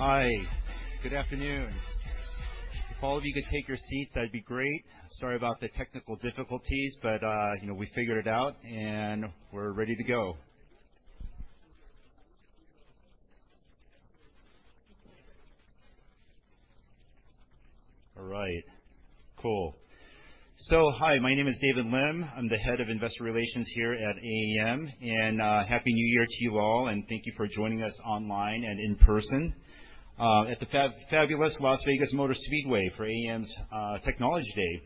Hi, good afternoon. If all of you could take your seats, that'd be great. Sorry about the technical difficulties, you know, we figured it out, and we're ready to go. All right, cool. Hi, my name is David Lim. I'm the Head of Investor Relations here at AAM. Happy New Year to you all, and thank you for joining us online and in person at the fab-fabulous Las Vegas Motor Speedway for AAM's Technology Day.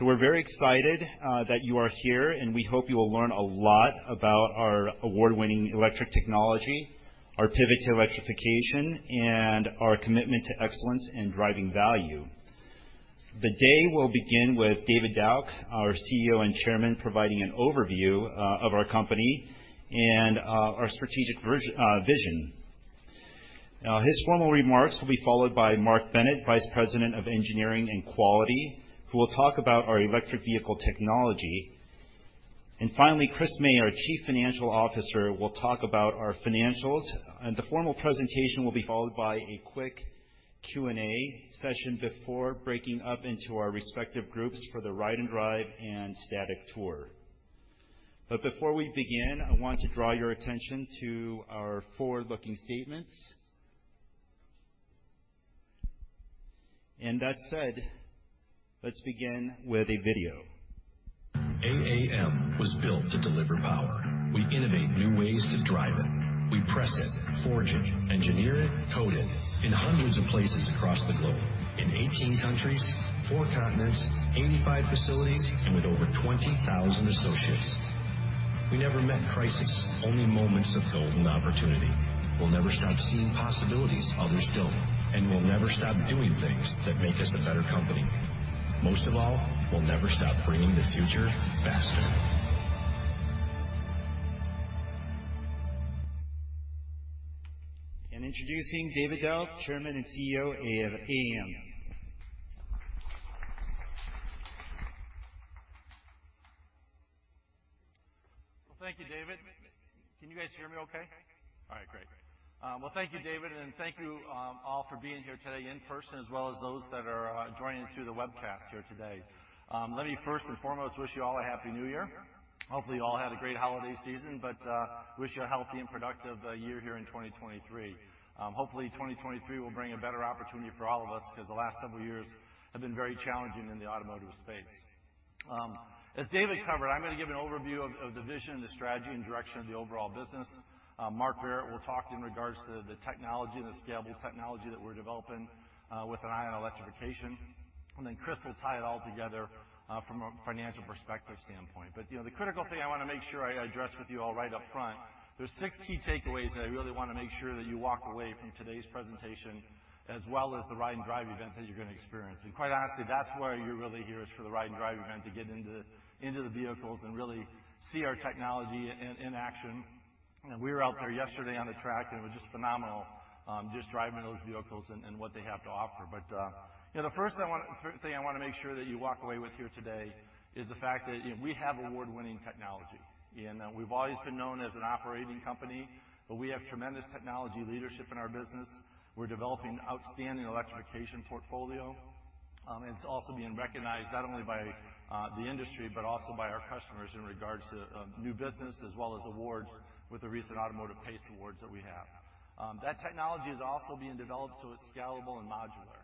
We're very excited that you are here, and we hope you will learn a lot about our award-winning electric technology, our pivot to electrification, and our commitment to excellence in driving value. The day will begin with David Dauch, our CEO and Chairman, providing an overview of our company and our strategic vision. His formal remarks will be followed by Mark Bennett, Vice President of Engineering and Quality, who will talk about our electric vehicle technology. Finally, Chris May, our Chief Financial Officer, will talk about our financials. The formal presentation will be followed by a quick Q&A session before breaking up into our respective groups for the ride and drive and static tour. Before we begin, I want to draw your attention to our forward-looking statements. That said, let's begin with a video. AAM was built to deliver power. We innovate new ways to drive it. We press it, forge it, engineer it, code it in hundreds of places across the globe. In 18 countries, 4 continents, 85 facilities, and with over 20,000 associates. We never met crisis, only moments of golden opportunity. We'll never stop seeing possibilities others don't. We'll never stop doing things that make us a better company. Most of all, we'll never stop bringing the future faster. Introducing David Dauch, Chairman and CEO of AAM. Thank you, David. Can you guys hear me okay? All right, great. Thank you, David, and thank you, all for being here today in person as well as those that are joining through the webcast here today. Let me first and foremost wish you all a Happy New Year. Hopefully, you all had a great holiday season, but wish you a healthy and productive year here in 2023. Hopefully, 2023 will bring a better opportunity for all of us 'cause the last several years have been very challenging in the automotive space. As David covered, I'm gonna give an overview of the vision and the strategy and direction of the overall business. Mark Barrett will talk in regards to the technology and the scalable technology that we're developing with an eye on electrification. Chris will tie it all together from a financial perspective standpoint. You know, the critical thing I wanna make sure I address with you all right up front, there's 6 key takeaways that I really wanna make sure that you walk away from today's presentation as well as the ride and drive event that you're gonna experience. Quite honestly, that's why you're really here is for the ride and drive event to get into the vehicles and really see our technology in action. We were out there yesterday on the track, and it was just phenomenal, just driving those vehicles and what they have to offer. You know, the first thing I wanna make sure that you walk away with here today is the fact that, you know, we have award-winning technology. We've always been known as an operating company, but we have tremendous technology leadership in our business. We're developing outstanding electrification portfolio. It's also being recognized not only by the industry but also by our customers in regards to new business as well as awards with the recent Automotive News PACE Awards that we have. That technology is also being developed so it's scalable and modular.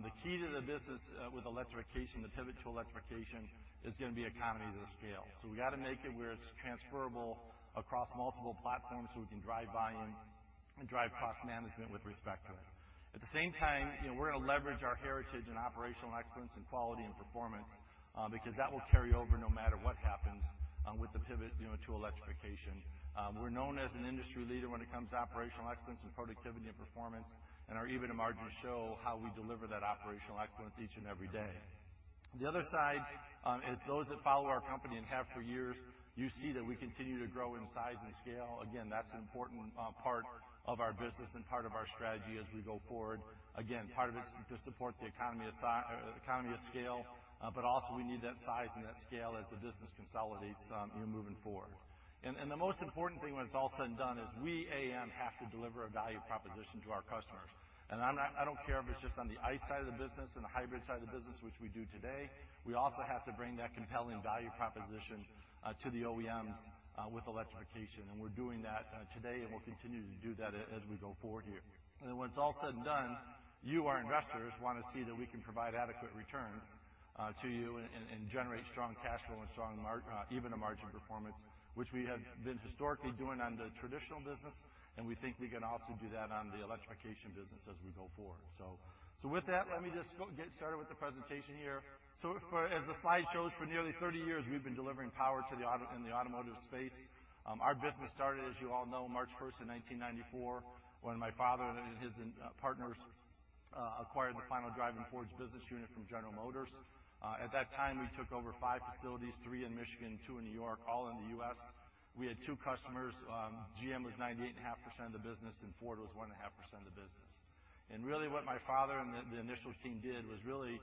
The key to the business with electrification, the pivot to electrification, is gonna be economies of scale. We gotta make it where it's transferable across multiple platforms, so we can drive volume and drive cost management with respect to it. At the same time, you know, we're gonna leverage our heritage in operational excellence and quality and performance, because that will carry over no matter what happens with the pivot, you know, to electrification. We're known as an industry leader when it comes to operational excellence and productivity and performance, and our EBITDA margins show how we deliver that operational excellence each and every day. The other side is those that follow our company and have for years, you see that we continue to grow in size and scale. Again, that's an important part of our business and part of our strategy as we go forward. Again, part of it's to support the economy of scale, but also we need that size and that scale as the business consolidates, you know, moving forward. The most important thing when it's all said and done is we, AAM, have to deliver a value proposition to our customers. I don't care if it's just on the ICE side of the business and the hybrid side of the business, which we do today. We also have to bring that compelling value proposition to the OEMs with electrification, and we're doing that today, and we'll continue to do that as we go forward here. When it's all said and done, you, our investors, wanna see that we can provide adequate returns to you and generate strong cash flow and strong EBITDA margin performance, which we have been historically doing on the traditional business, and we think we can also do that on the electrification business as we go forward. With that, let me just go get started with the presentation here. As the slide shows, for nearly 30 years, we've been delivering power in the automotive space. Our business started, as you all know, March first in 1994 when my father and his partners acquired the final drive and forged business unit from General Motors. At that time, we took over 5 facilities, 3 in Michigan, 2 in New York, all in the U.S.. We had 2 customers. GM was 98.5% of the business, and Ford was 1.5% of the business. Really what my father and the initial team did was really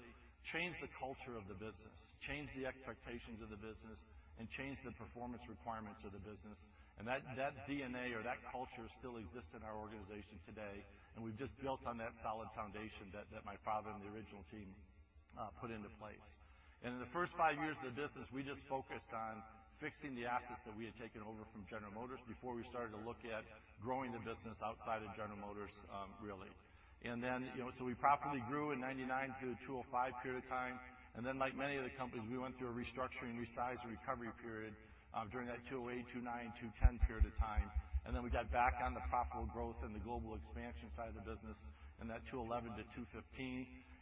change the culture of the business, change the expectations of the business, and change the performance requirements of the business. That DNA or that culture still exists in our organization today, and we've just built on that solid foundation that my father and the original team put into place. In the first five years of the business, we just focused on fixing the assets that we had taken over from General Motors before we started to look at growing the business outside of General Motors, really. Then, you know, so we profitably grew in 1999 through the 2005 period of time, and then like many of the companies, we went through a restructuring, resize, and recovery period during that 2008, 2009, 2010 period of time. Then we got back on the profitable growth and the global expansion side of the business in that 2011 to 2015.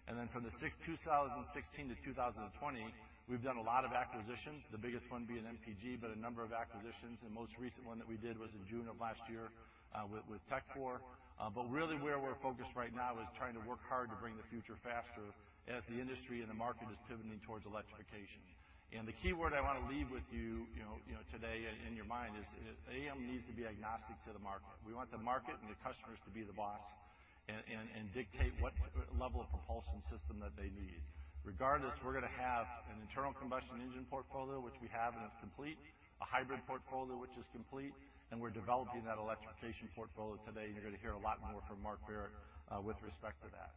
From 2016 to 2020, we've done a lot of acquisitions, the biggest one being MPG, but a number of acquisitions, and most recent one that we did was in June of last year, with Tekfor. Really where we're focused right now is trying to work hard to bring the future faster as the industry and the market is pivoting towards electrification. The key word I wanna leave with you know, today in your mind is AAM needs to be agnostic to the market. We want the market and the customers to be the boss and dictate what level of propulsion system that they eed. Regardless, we're gonna have an internal combustion engine portfolio, which we have and it's complete, a hybrid portfolio which is complete. You're gonna hear a lot more from Mark Barrett with respect to that.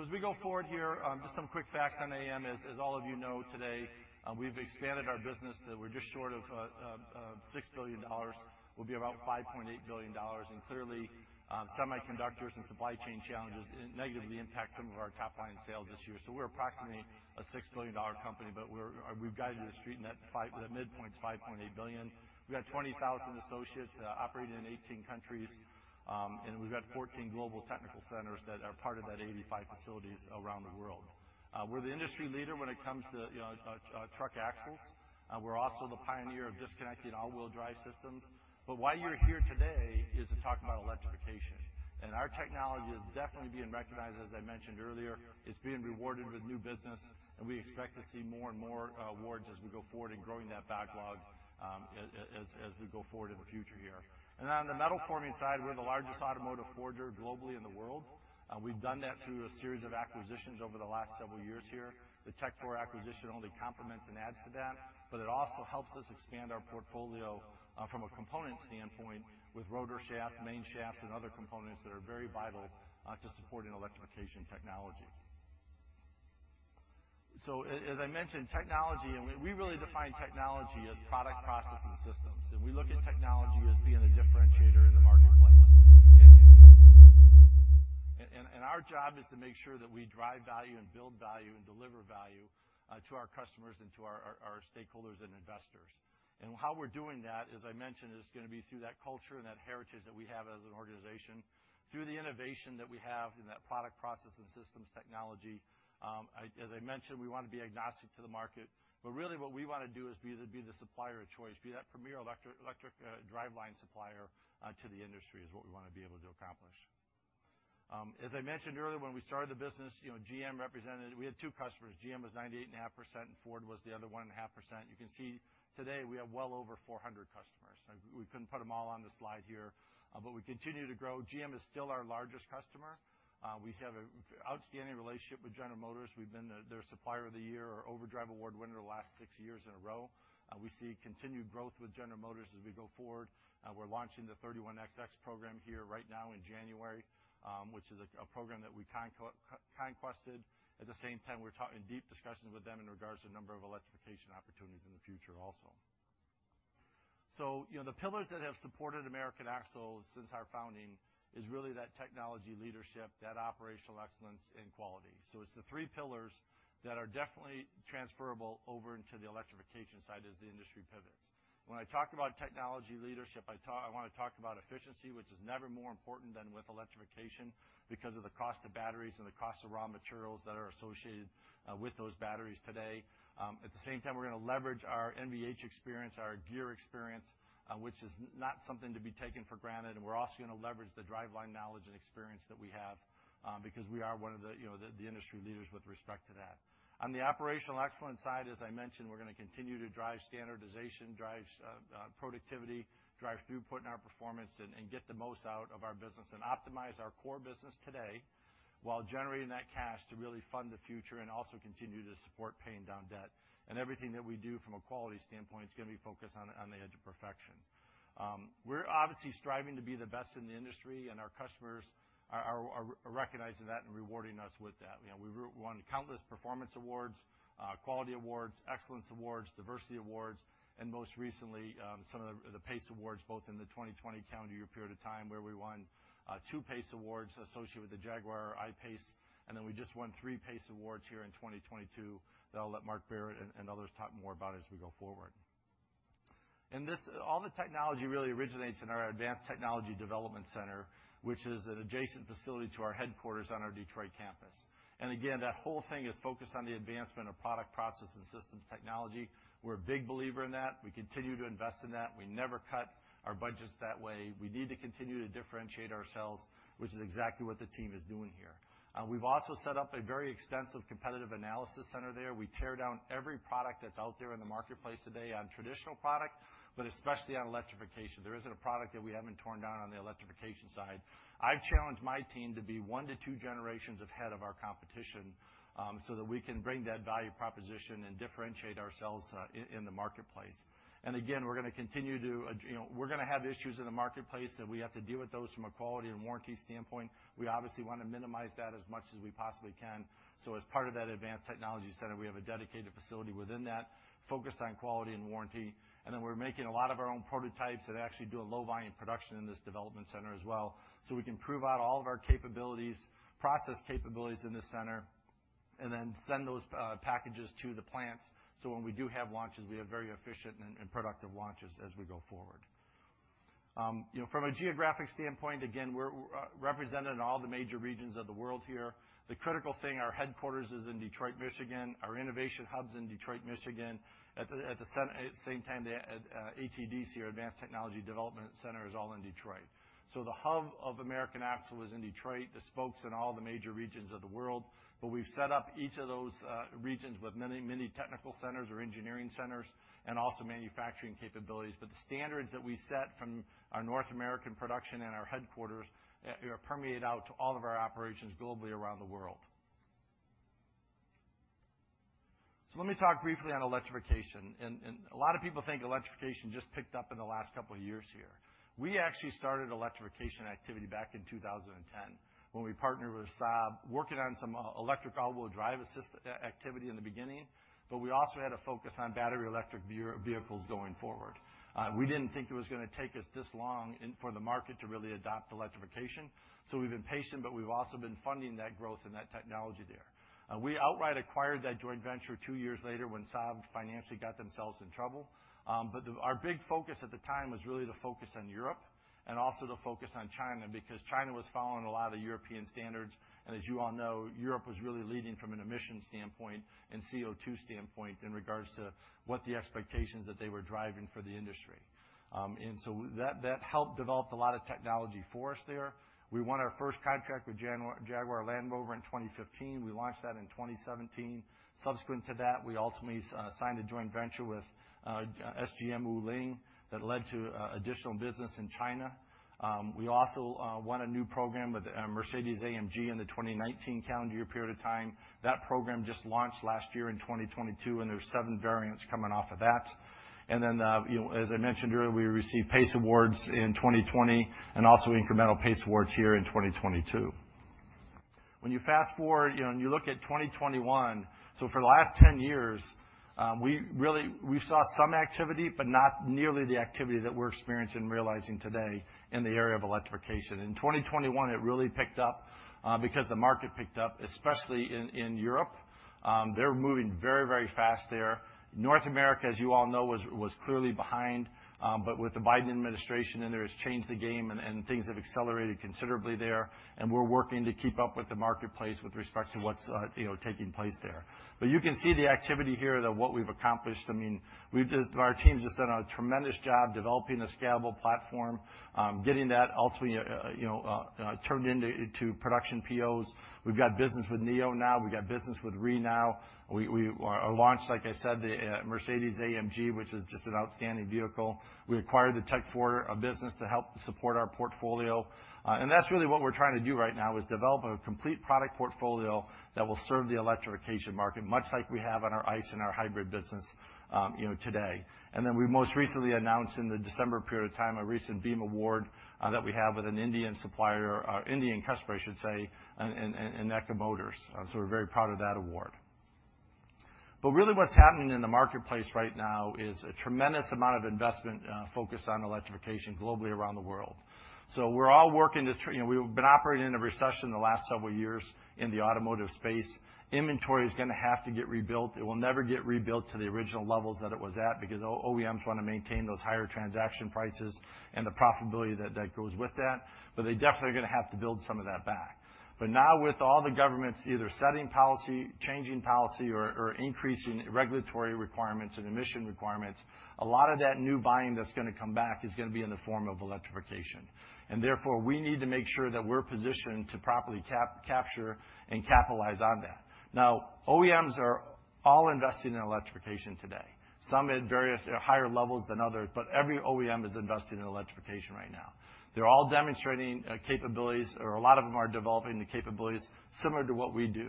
As we go forward here, just some quick facts on AAM. As all of you know today, we've expanded our business that we're just short of $6 billion. We'll be about $5.8 billion. Clearly, semiconductors and supply chain challenges negatively impact some of our top line sales this year. We're approximately a $6 billion company, but we've guided the street in that midpoint is $5.8 billion. We've got 20,000 associates, operating in 18 countries, and we've got 14 global technical centers that are part of that 85 facilities around the world. We're the industry leader when it comes to, you know, truck axles. We're also the pioneer of disconnecting all-wheel drive systems. Why you're here today is to talk about electrification. Our technology is definitely being recognized, as I mentioned earlier. It's being rewarded with new business, and we expect to see more and more awards as we go forward in growing that backlog, as we go forward in the future here. On the metal forming side, we're the largest automotive forger globally in the world. We've done that through a series of acquisitions over the last several years here. The Tekfor acquisition only complements and adds to that, but it also helps us expand our portfolio from a component standpoint with rotor shafts, main shafts, and other components that are very vital to supporting electrification technology. As I mentioned, technology, and we really define technology as product processing systems. We look at technology as being a differentiator in the marketplace. Our job is to make sure that we drive value and build value and deliver value to our customers and to our stakeholders and investors. How we're doing that, as I mentioned, is gonna be through that culture and that heritage that we have as an organization, through the innovation that we have in that product processing systems technology. As I mentioned, we wanna be agnostic to the market. Really what we wanna do is be the supplier of choice. Be that premier electric driveline supplier to the industry is what we wanna be able to accomplish. As I mentioned earlier, when we started the business, you know, GM represented. We had two customers. GM was 98.5%, and Ford was the other 1.5%. You can see today we have well over 400 customers. We couldn't put them all on the slide here. We continue to grow. GM is still our largest customer. We have an outstanding relationship with General Motors. We've been their supplier of the year or Overdrive Award winner the last 6 years in a row. We see continued growth with General Motors as we go forward. We're launching the 31XX program here right now in January, which is a program that we conquested. At the same time, we're in deep discussions with them in regards to a number of electrification opportunities in the future also. You know, the pillars that have supported American Axle since our founding is really that technology leadership, that operational excellence, and quality. It's the three pillars that are definitely transferable over into the electrification side as the industry pivots. When I talk about technology leadership, I want to talk about efficiency, which is never more important than with electrification because of the cost of batteries and the cost of raw materials that are associated with those batteries today. At the same time, we're going to leverage our NVH experience, our gear experience, which is not something to be taken for granted. We're also gonna leverage the driveline knowledge and experience that we have, because we are one of the, you know, the industry leaders with respect to that. On the operational excellence side, as I mentioned, we're gonna continue to drive standardization, drive productivity, drive throughput in our performance and get the most out of our business and optimize our core business today while generating that cash to really fund the future and also continue to support paying down debt. Everything that we do from a quality standpoint is gonna be focused on the edge of perfection. We're obviously striving to be the best in the industry, and our customers are recognizing that and rewarding us with that. You know, we won countless performance awards, quality awards, excellence awards, diversity awards, and most recently, some of the PACE Awards, both in the 2020 calendar year period of time, where we won 2 PACE Awards associated with the Jaguar I-PACE, and then we just won 3 PACE Awards here in 2022, that I'll let Mark Barrett and others talk more about as we go forward. This, all the technology really originates in our Advanced Technology Development Center, which is an adjacent facility to our headquarters on our Detroit campus. Again, that whole thing is focused on the advancement of product process and systems technology. We're a big believer in that. We continue to invest in that. We never cut our budgets that way. We need to continue to differentiate ourselves, which is exactly what the team is doing here. We've also set up a very extensive competitive analysis center there. We tear down every product that's out there in the marketplace today on traditional product, but especially on electrification. There isn't a product that we haven't torn down on the electrification side. I've challenged my team to be one to two generations ahead of our competition, so that we can bring that value proposition and differentiate ourselves in the marketplace. Again, we're gonna continue to you know, we're gonna have issues in the marketplace, and we have to deal with those from a quality and warranty standpoint. We obviously wanna minimize that as much as we possibly can. As part of that advanced technology center, we have a dedicated facility within that focused on quality and warranty. We're making a lot of our own prototypes that actually do a low volume production in this development center as well, so we can prove out all of our capabilities, process capabilities in this center and then send those packages to the plants, so when we do have launches, we have very efficient and productive launches as we go forward. You know, from a geographic standpoint, again, we're represented in all the major regions of the world here. The critical thing, our headquarters is in Detroit, Michigan. Our innovation hub's in Detroit, Michigan. At the same time, the ATDC or Advanced Technology Development Center is all in Detroit. The hub of American Axle is in Detroit, the spokes in all the major regions of the world, but we've set up each of those regions with many technical centers or engineering centers and also manufacturing capabilities. The standards that we set from our North American production and our headquarters permeate out to all of our operations globally around the world. Let me talk briefly on electrification. A lot of people think electrification just picked up in the last couple of years here. We actually started electrification activity back in 2010 when we partnered with Saab, working on some electric elbow drive assist activity in the beginning, but we also had a focus on battery electric vehicles going forward. We didn't think it was gonna take us this long and for the market to really adopt electrification. We've been patient, but we've also been funding that growth and that technology there. We outright acquired that joint venture 2 years later when Saab financially got themselves in trouble. Our big focus at the time was really the focus on Europe and also the focus on China, because China was following a lot of European standards. As you all know, Europe was really leading from an emission standpoint and CO2 standpoint in regards to what the expectations that they were driving for the industry. That helped developed a lot of technology for us there. We won our first contract with Jaguar Land Rover in 2015. We launched that in 2017. Subsequent to that, we ultimately signed a joint venture with SAIC-GM-Wuling that led to additional business in China. We also won a new program with Mercedes-AMG in the 2019 calendar year period of time. That program just launched last year in 2022, and there's 7 variants coming off of that. You know, as I mentioned earlier, we received PACE Awards in 2020 and also incremental PACE Awards here in 2022. When you fast-forward, you know, and you look at 2021, so for the last 10 years, we really saw some activity, but not nearly the activity that we're experiencing and realizing today in the area of electrification. In 2021, it really picked up because the market picked up, especially in Europe. They're moving very, very fast there. North America, as you all know, was clearly behind. With the Biden administration in there, it's changed the game and things have accelerated considerably there, and we're working to keep up with the marketplace with respect to what's, you know, taking place there. You can see the activity here that what we've accomplished. I mean, our team's just done a tremendous job developing a scalable platform, getting that ultimately, you know, turned into production POs. We've got business with NIO now. We've got business with REE now. We launched, like I said, the Mercedes-AMG, which is just an outstanding vehicle. We acquired the Tekfor business to help support our portfolio. That's really what we're trying to do right now is develop a complete product portfolio that will serve the electrification market, much like we have on our ICE and our hybrid business, you know, today. We most recently announced in the December period of time a recent Beam award that we have with an Indian supplier, or Indian customer, I should say, in EKA Mobility. We're very proud of that award. Really what's happening in the marketplace right now is a tremendous amount of investment focused on electrification globally around the world. We're all working to you know, we've been operating in a recession the last several years in the automotive space. Inventory is gonna have to get rebuilt. It will never get rebuilt to the original levels that it was at because OEMs want to maintain those higher transaction prices and the profitability that goes with that. They definitely are gonna have to build some of that back. Now with all the governments either setting policy, changing policy, or increasing regulatory requirements and emission requirements, a lot of that new buying that's gonna come back is gonna be in the form of electrification. Therefore, we need to make sure that we're positioned to properly capture and capitalize on that. Now, OEMs are all investing in electrification today. Some at various higher levels than others, but every OEM is investing in electrification right now. They're all demonstrating capabilities, or a lot of them are developing the capabilities similar to what we do.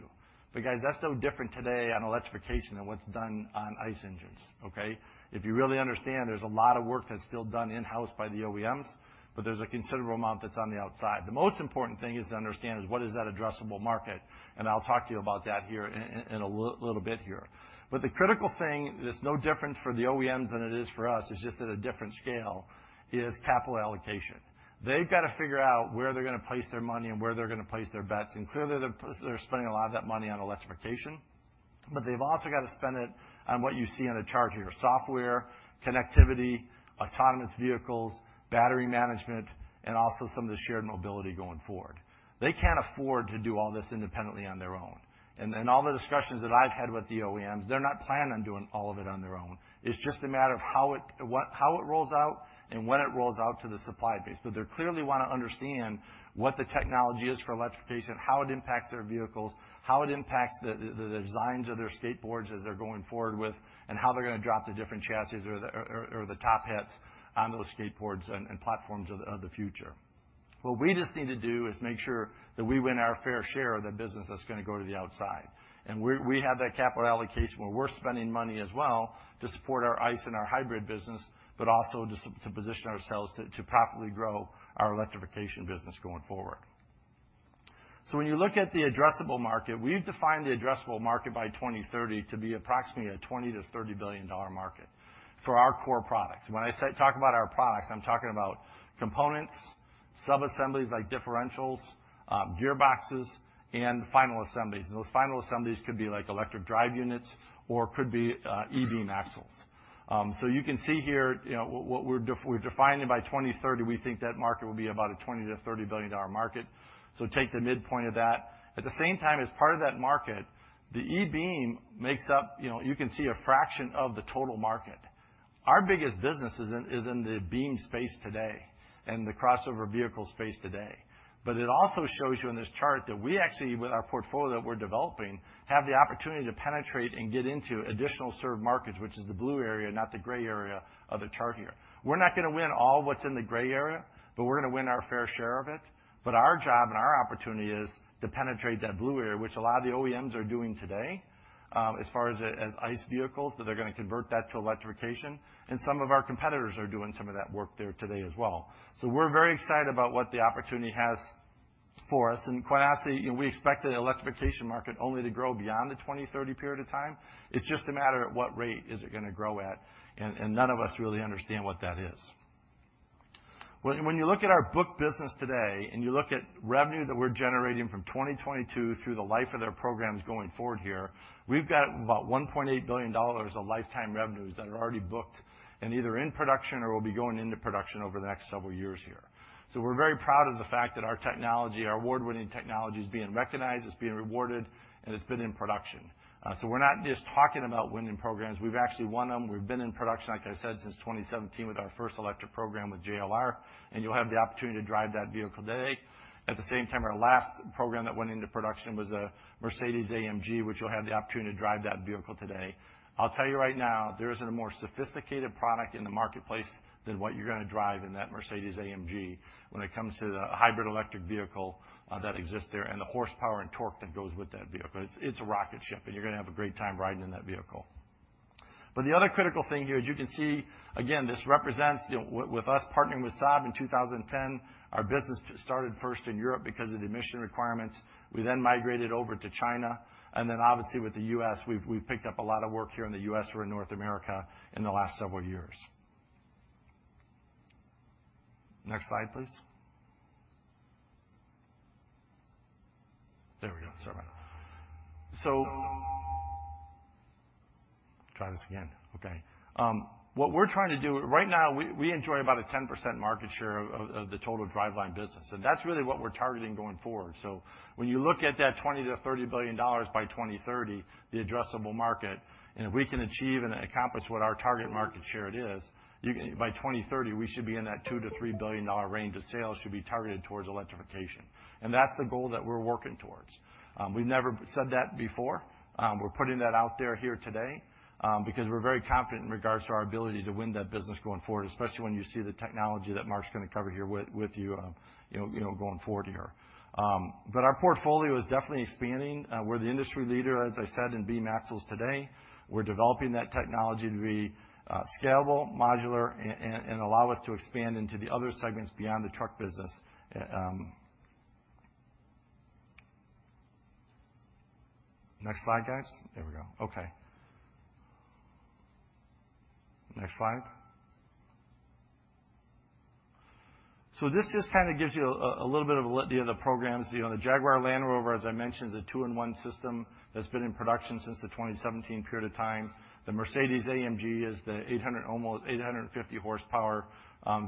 Guys, that's no different today on electrification than what's done on ICE engines, okay? If you really understand, there's a lot of work that's still done in-house by the OEMs, but there's a considerable amount that's on the outside. The most important thing is to understand is what is that addressable market, and I'll talk to you about that here in a little bit here. The critical thing that's no different for the OEMs than it is for us, it's just at a different scale, is capital allocation. They've got to figure out where they're gonna place their money and where they're gonna place their bets, clearly, they're spending a lot of that money on electrification. But they've also got to spend it on what you see on the chart here, software, connectivity, autonomous vehicles, battery management, and also some of the shared mobility going forward. They can't afford to do all this independently on their own. All the discussions that I've had with the OEMs, they're not planning on doing all of it on their own. It's just a matter of how it rolls out and when it rolls out to the supply base. They clearly wanna understand what the technology is for electrification, how it impacts their vehicles, how it impacts the designs of their skateboards as they're going forward with, and how they're gonna drop the different chassis or the top hats onto those skateboards and platforms of the future. What we just need to do is make sure that we win our fair share of the business that's gonna go to the outside. We have that capital allocation where we're spending money as well to support our ICE and our hybrid business, but also to position ourselves to properly grow our electrification business going forward. When you look at the addressable market, we've defined the addressable market by 2030 to be approximately a $20 billion-$30 billion market for our core products. When I say talk about our products, I'm talking about components, subassemblies like differentials, gearboxes, and final assemblies. Those final assemblies could be like Electric Drive Units or could be e-Beam axles. So you can see here, you know, what we're defining by 2030, we think that market will be about a $20 billion-$30 billion market. Take the midpoint of that. At the same time, as part of that market, the e-Beam makes up, you know, you can see a fraction of the total market. Our biggest business is in the beam space today and the crossover vehicle space today. It also shows you in this chart that we actually, with our portfolio that we're developing, have the opportunity to penetrate and get into additional served markets, which is the blue area, not the gray area of the chart here. We're not gonna win all what's in the gray area, but we're gonna win our fair share of it. Our job and our opportunity is to penetrate that blue area, which a lot of the OEMs are doing today, as far as ICE vehicles, that they're gonna convert that to electrification. Some of our competitors are doing some of that work there today as well. We're very excited about what the opportunity has for us. Quite honestly, you know, we expect the electrification market only to grow beyond the 2030 period of time. It's just a matter of what rate is it gonna grow at, and none of us really understand what that is. When you look at our book business today and you look at revenue that we're generating from 2022 through the life of their programs going forward here, we've got about $1.8 billion of lifetime revenues that are already booked and either in production or will be going into production over the next several years here. We're very proud of the fact that our technology, our award-winning technology is being recognized, it's being rewarded, and it's been in production. We're not just talking about winning programs, we've actually won them. We've been in production, like I said, since 2017 with our first electric program with JLR, and you'll have the opportunity to drive that vehicle today. At the same time, our last program that went into production was a Mercedes-AMG, which you'll have the opportunity to drive that vehicle today. I'll tell you right now, there isn't a more sophisticated product in the marketplace than what you're gonna drive in that Mercedes-AMG when it comes to the hybrid electric vehicle that exists there and the horsepower and torque that goes with that vehicle. It's a rocket ship, and you're gonna have a great time riding in that vehicle. The other critical thing here, as you can see, again, this represents, you know, with us partnering with Saab in 2010, our business started first in Europe because of the emission requirements. We migrated over to China, obviously with the U.S., we've picked up a lot of work here in the U.S. or in North America in the last several years. Next slide, please. There we go. Sorry about that. Try this again. Okay. Right now, we enjoy about a 10% market share of the total driveline business. That's really what we're targeting going forward. When you look at that $20 billion-$30 billion by 2030, the addressable market. If we can achieve and accomplish what our target market share it is, by 2030, we should be in that $2 billion-$3 billion range of sales should be targeted towards electrification. That's the goal that we're working towards. We've never said that before. We're putting that out there here today because we're very confident in regards to our ability to win that business going forward, especially when you see the technology that Mark's gonna cover here with you know, going forward here. Our portfolio is definitely expanding. We're the industry leader, as I said, in beam axles today. We're developing that technology to be scalable, modular, and allow us to expand into the other segments beyond the truck business. Next slide, guys. There we go. Okay. Next slide. This just kinda gives you a little bit of a look at the other programs. You know, the Jaguar Land Rover, as I mentioned, is a two-in-one system that's been in production since the 2017 period of time. The Mercedes-AMG is the almost 850 horsepower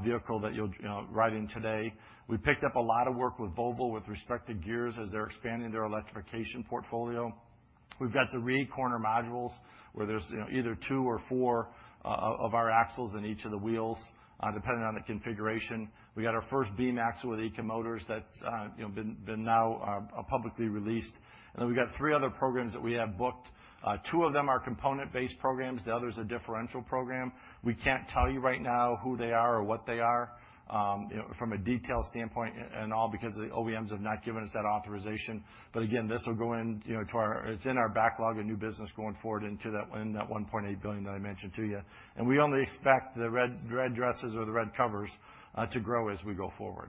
vehicle that you'll, you know, ride in today. We picked up a lot of work with Volvo with respect to gears as they're expanding their electrification portfolio. We've got the REEcorner modules, where there's, you know, either 2 or 4 of our axles in each of the wheels, depending on the configuration. We got our first beam axle with EKA Mobility that's, you know, been now publicly released. We got 3 other programs that we have booked. 2 of them are component-based programs. The other is a differential program. We can't tell you right now who they are or what they are, you know, from a detail standpoint and all because the OEMs have not given us that authorization. Again, this will go in, you know. It's in our backlog of new business going forward into that $1.8 billion that I mentioned to you. We only expect the red dresses or the red covers to grow as we go forward.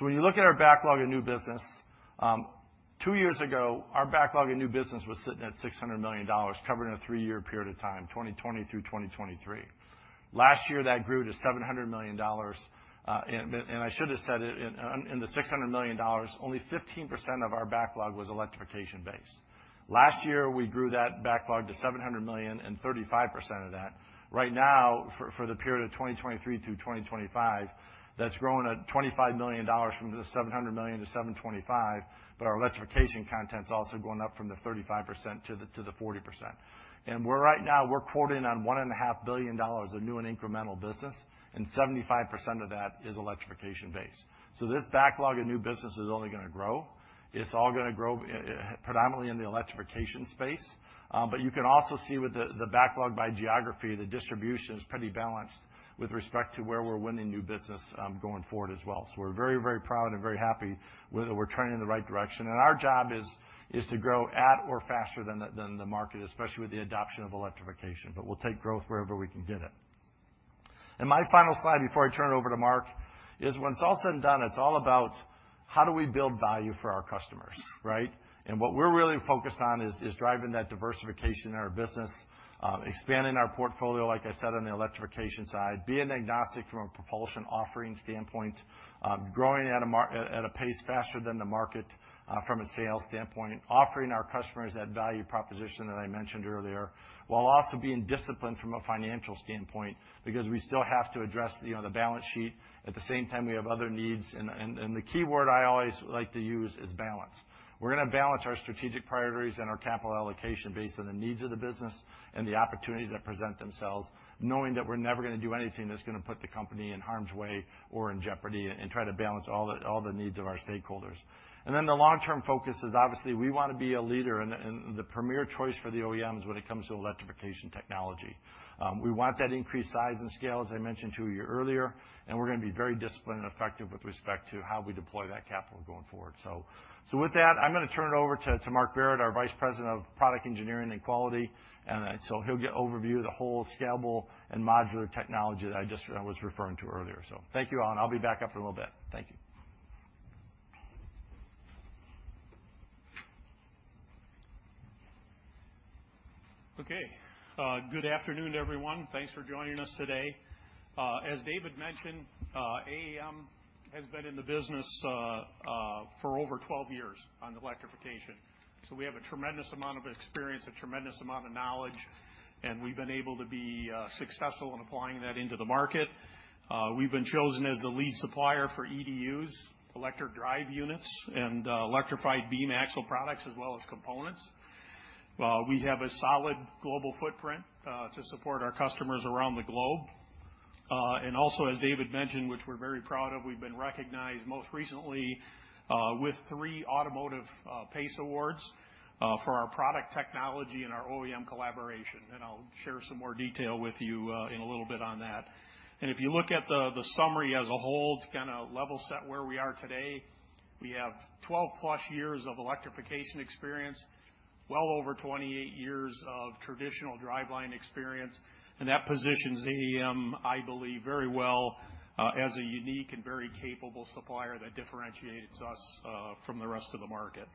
When you look at our backlog of new business, 2 years ago, our backlog of new business was sitting at $600 million, covering a 3-year period of time, 2020 through 2023. Last year, that grew to $700 million. And I should have said it, in the $600 million, only 15% of our backlog was electrification-based. Last year, we grew that backlog to $700 million and 35% of that. Right now, for the period of 2023 through 2025, that's growing at $25 million from the $700 million to $725 million. Our electrification content's also going up from the 35% to the 40%. Right now, we're quoting on $1.5 billion of new and incremental business, and 75% of that is electrification-based. This backlog of new business is only gonna grow. It's all gonna grow predominantly in the electrification space. You can also see with the backlog by geography, the distribution is pretty balanced with respect to where we're winning new business going forward as well. We're very proud and very happy we're trending in the right direction. Our job is to grow at or faster than the market, especially with the adoption of electrification. We'll take growth wherever we can get it. My final slide before I turn it over to Mark is, when it's all said and done, it's all about how do we build value for our customers, right? What we're really focused on is driving that diversification in our business, expanding our portfolio, like I said, on the electrification side, being agnostic from a propulsion offering standpoint, growing at a pace faster than the market, from a sales standpoint, offering our customers that value proposition that I mentioned earlier, while also being disciplined from a financial standpoint, because we still have to address, you know, the balance sheet. At the same time, we have other needs, and the key word I always like to use is balance. We're gonna balance our strategic priorities and our capital allocation based on the needs of the business and the opportunities that present themselves, knowing that we're never gonna do anything that's gonna put the company in harm's way or in jeopardy and try to balance all the needs of our stakeholders. The long-term focus is, obviously, we wanna be a leader and the premier choice for the OEMs when it comes to electrification technology. We want that increased size and scale, as I mentioned to you earlier, and we're gonna be very disciplined and effective with respect to how we deploy that capital going forward. With that, I'm gonna turn it over to Mark Barrett, our Vice President of Product Engineering and Quality. He'll overview the whole scalable and modular technology that I was referring to earlier. Thank you all, and I'll be back up in a little bit. Thank you. Okay. Good afternoon, everyone. Thanks for joining us today. As David mentioned, AAM has been in the business for over 12 years on electrification. We have a tremendous amount of experience, a tremendous amount of knowledge, and we've been able to be successful in applying that into the market. We've been chosen as the lead supplier for EDUs, Electric Drive Units, and electrified beam axle products, as well as components. We have a solid global footprint to support our customers around the globe. Also, as David mentioned, which we're very proud of, we've been recognized most recently with 3 automotive PACE Awards for our product technology and our OEM collaboration. I'll share some more detail with you in a little bit on that. If you look at the summary as a whole to kind of level set where we are today, we have 12-plus years of electrification experience, well over 28 years of traditional driveline experience, and that positions AAM, I believe, very well as a unique and very capable supplier that differentiates us from the rest of the market.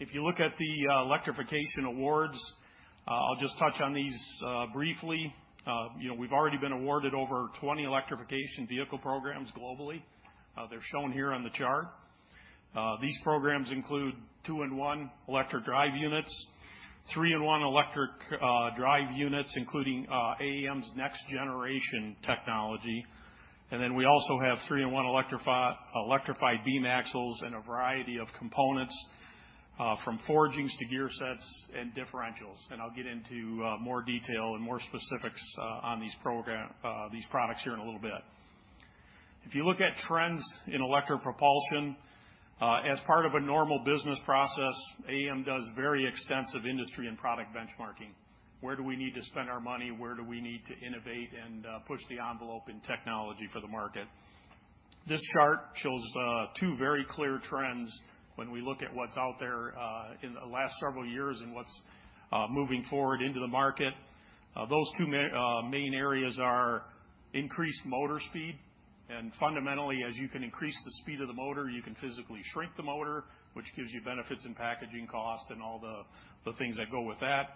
If you look at the electrification awards, I'll just touch on these briefly. You know, we've already been awarded over 20 electrification vehicle programs globally. They're shown here on the chart. These programs include 2-in-1 Electric Drive Units, 3-in-1 Electric Drive Units, including AAM's next-generation technology. Then we also have 3-in-1 electrified beam axles and a variety of components from forgings to gear sets and differentials. I'll get into more detail and more specifics on these products here in a little bit. If you look at trends in electric propulsion, as part of a normal business process, AAM does very extensive industry and product benchmarking. Where do we need to spend our money? Where do we need to innovate and push the envelope in technology for the market? This chart shows two very clear trends when we look at what's out there, in the last several years and what's moving forward into the market. Those two main areas are increased motor speed, and fundamentally, as you can increase the speed of the motor, you can physically shrink the motor, which gives you benefits in packaging cost and all the things that go with that.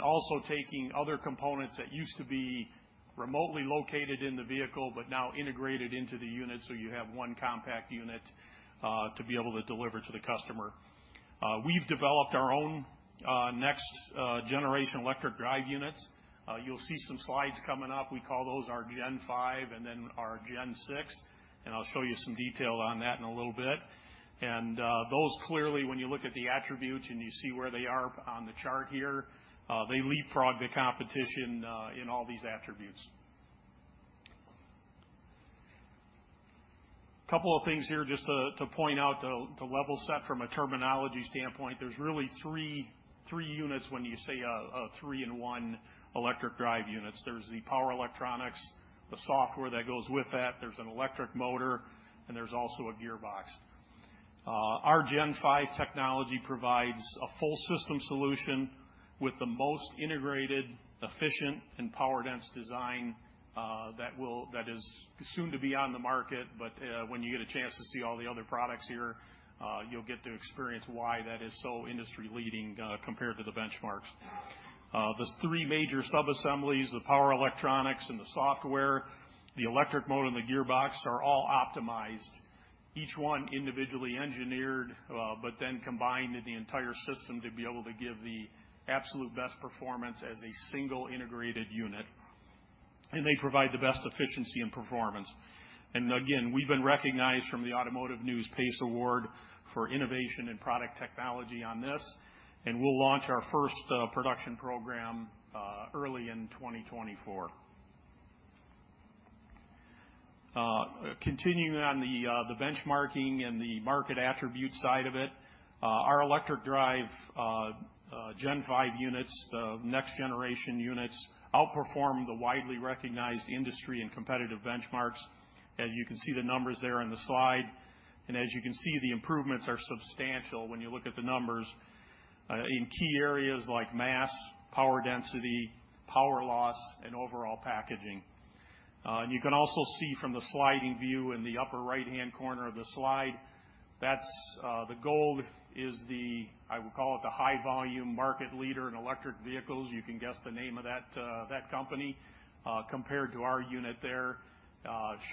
Also taking other components that used to be remotely located in the vehicle but now integrated into the unit so you have one compact unit to be able to deliver to the customer. We've developed our own next generation Electric Drive Units. You'll see some slides coming up. We call those our Gen 5 and then our Gen 6, and I'll show you some detail on that in a little bit. Those clearly, when you look at the attributes and you see where they are on the chart here, they leapfrog the competition in all these attributes. Couple of things here just to point out to level set from a terminology standpoint. There's really three units when you say a three-in-one Electric Drive Units. There's the power electronics, the software that goes with that, there's an electric motor, and there's also a gearbox. Our Gen 5 technology provides a full system solution with the most integrated, efficient, and power dense design that is soon to be on the market. When you get a chance to see all the other products here, you'll get to experience why that is so industry-leading compared to the benchmarks. There's three major subassemblies, the power electronics and the software. The electric motor and the gearbox are all optimized, each one individually engineered, but then combined in the entire system to be able to give the absolute best performance as a single integrated unit, and they provide the best efficiency and performance. Again, we've been recognized from the Automotive News PACE Award for innovation and product technology on this, and we'll launch our first production program early in 2024. Continuing on the benchmarking and the market attribute side of it, our electric drive Gen5 units, next generation units, outperform the widely recognized industry and competitive benchmarks. As you can see the numbers there on the slide, and as you can see, the improvements are substantial when you look at the numbers in key areas like mass, power density, power loss, and overall packaging. You can also see from the sliding view in the upper right-hand corner of the slide, that's the gold is the, I would call it, the high volume market leader in electric vehicles. You can guess the name of that company, compared to our unit there,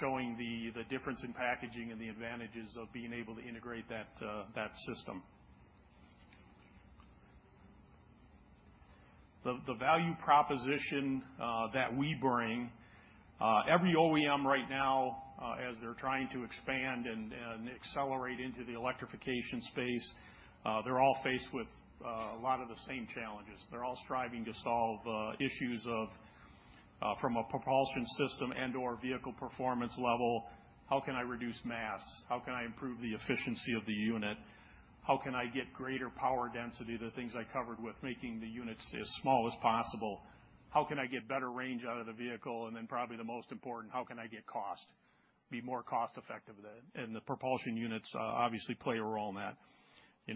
showing the difference in packaging and the advantages of being able to integrate that system. The value proposition that we bring every OEM right now, as they're trying to expand and accelerate into the electrification space, they're all faced with a lot of the same challenges. They're all striving to solve issues of from a propulsion system and/or vehicle performance level, how can I reduce mass? How can I improve the efficiency of the unit? How can I get greater power density? The things I covered with making the units as small as possible. How can I get better range out of the vehicle? Probably the most important, how can I be more cost effective? The propulsion units obviously play a role in that.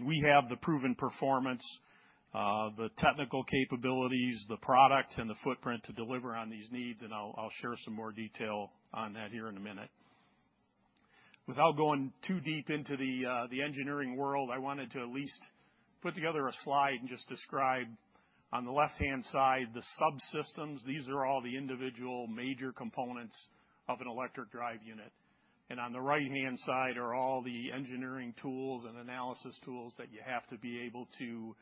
We have the proven performance, the technical capabilities, the product and the footprint to deliver on these needs, and I'll share some more detail on that here in a minute. Without going too deep into the engineering world, I wanted to at least put together a slide and just describe on the left-hand side the subsystems. These are all the individual major components of an electric drive unit. On the right-hand side are all the engineering tools and analysis tools that you have to be able to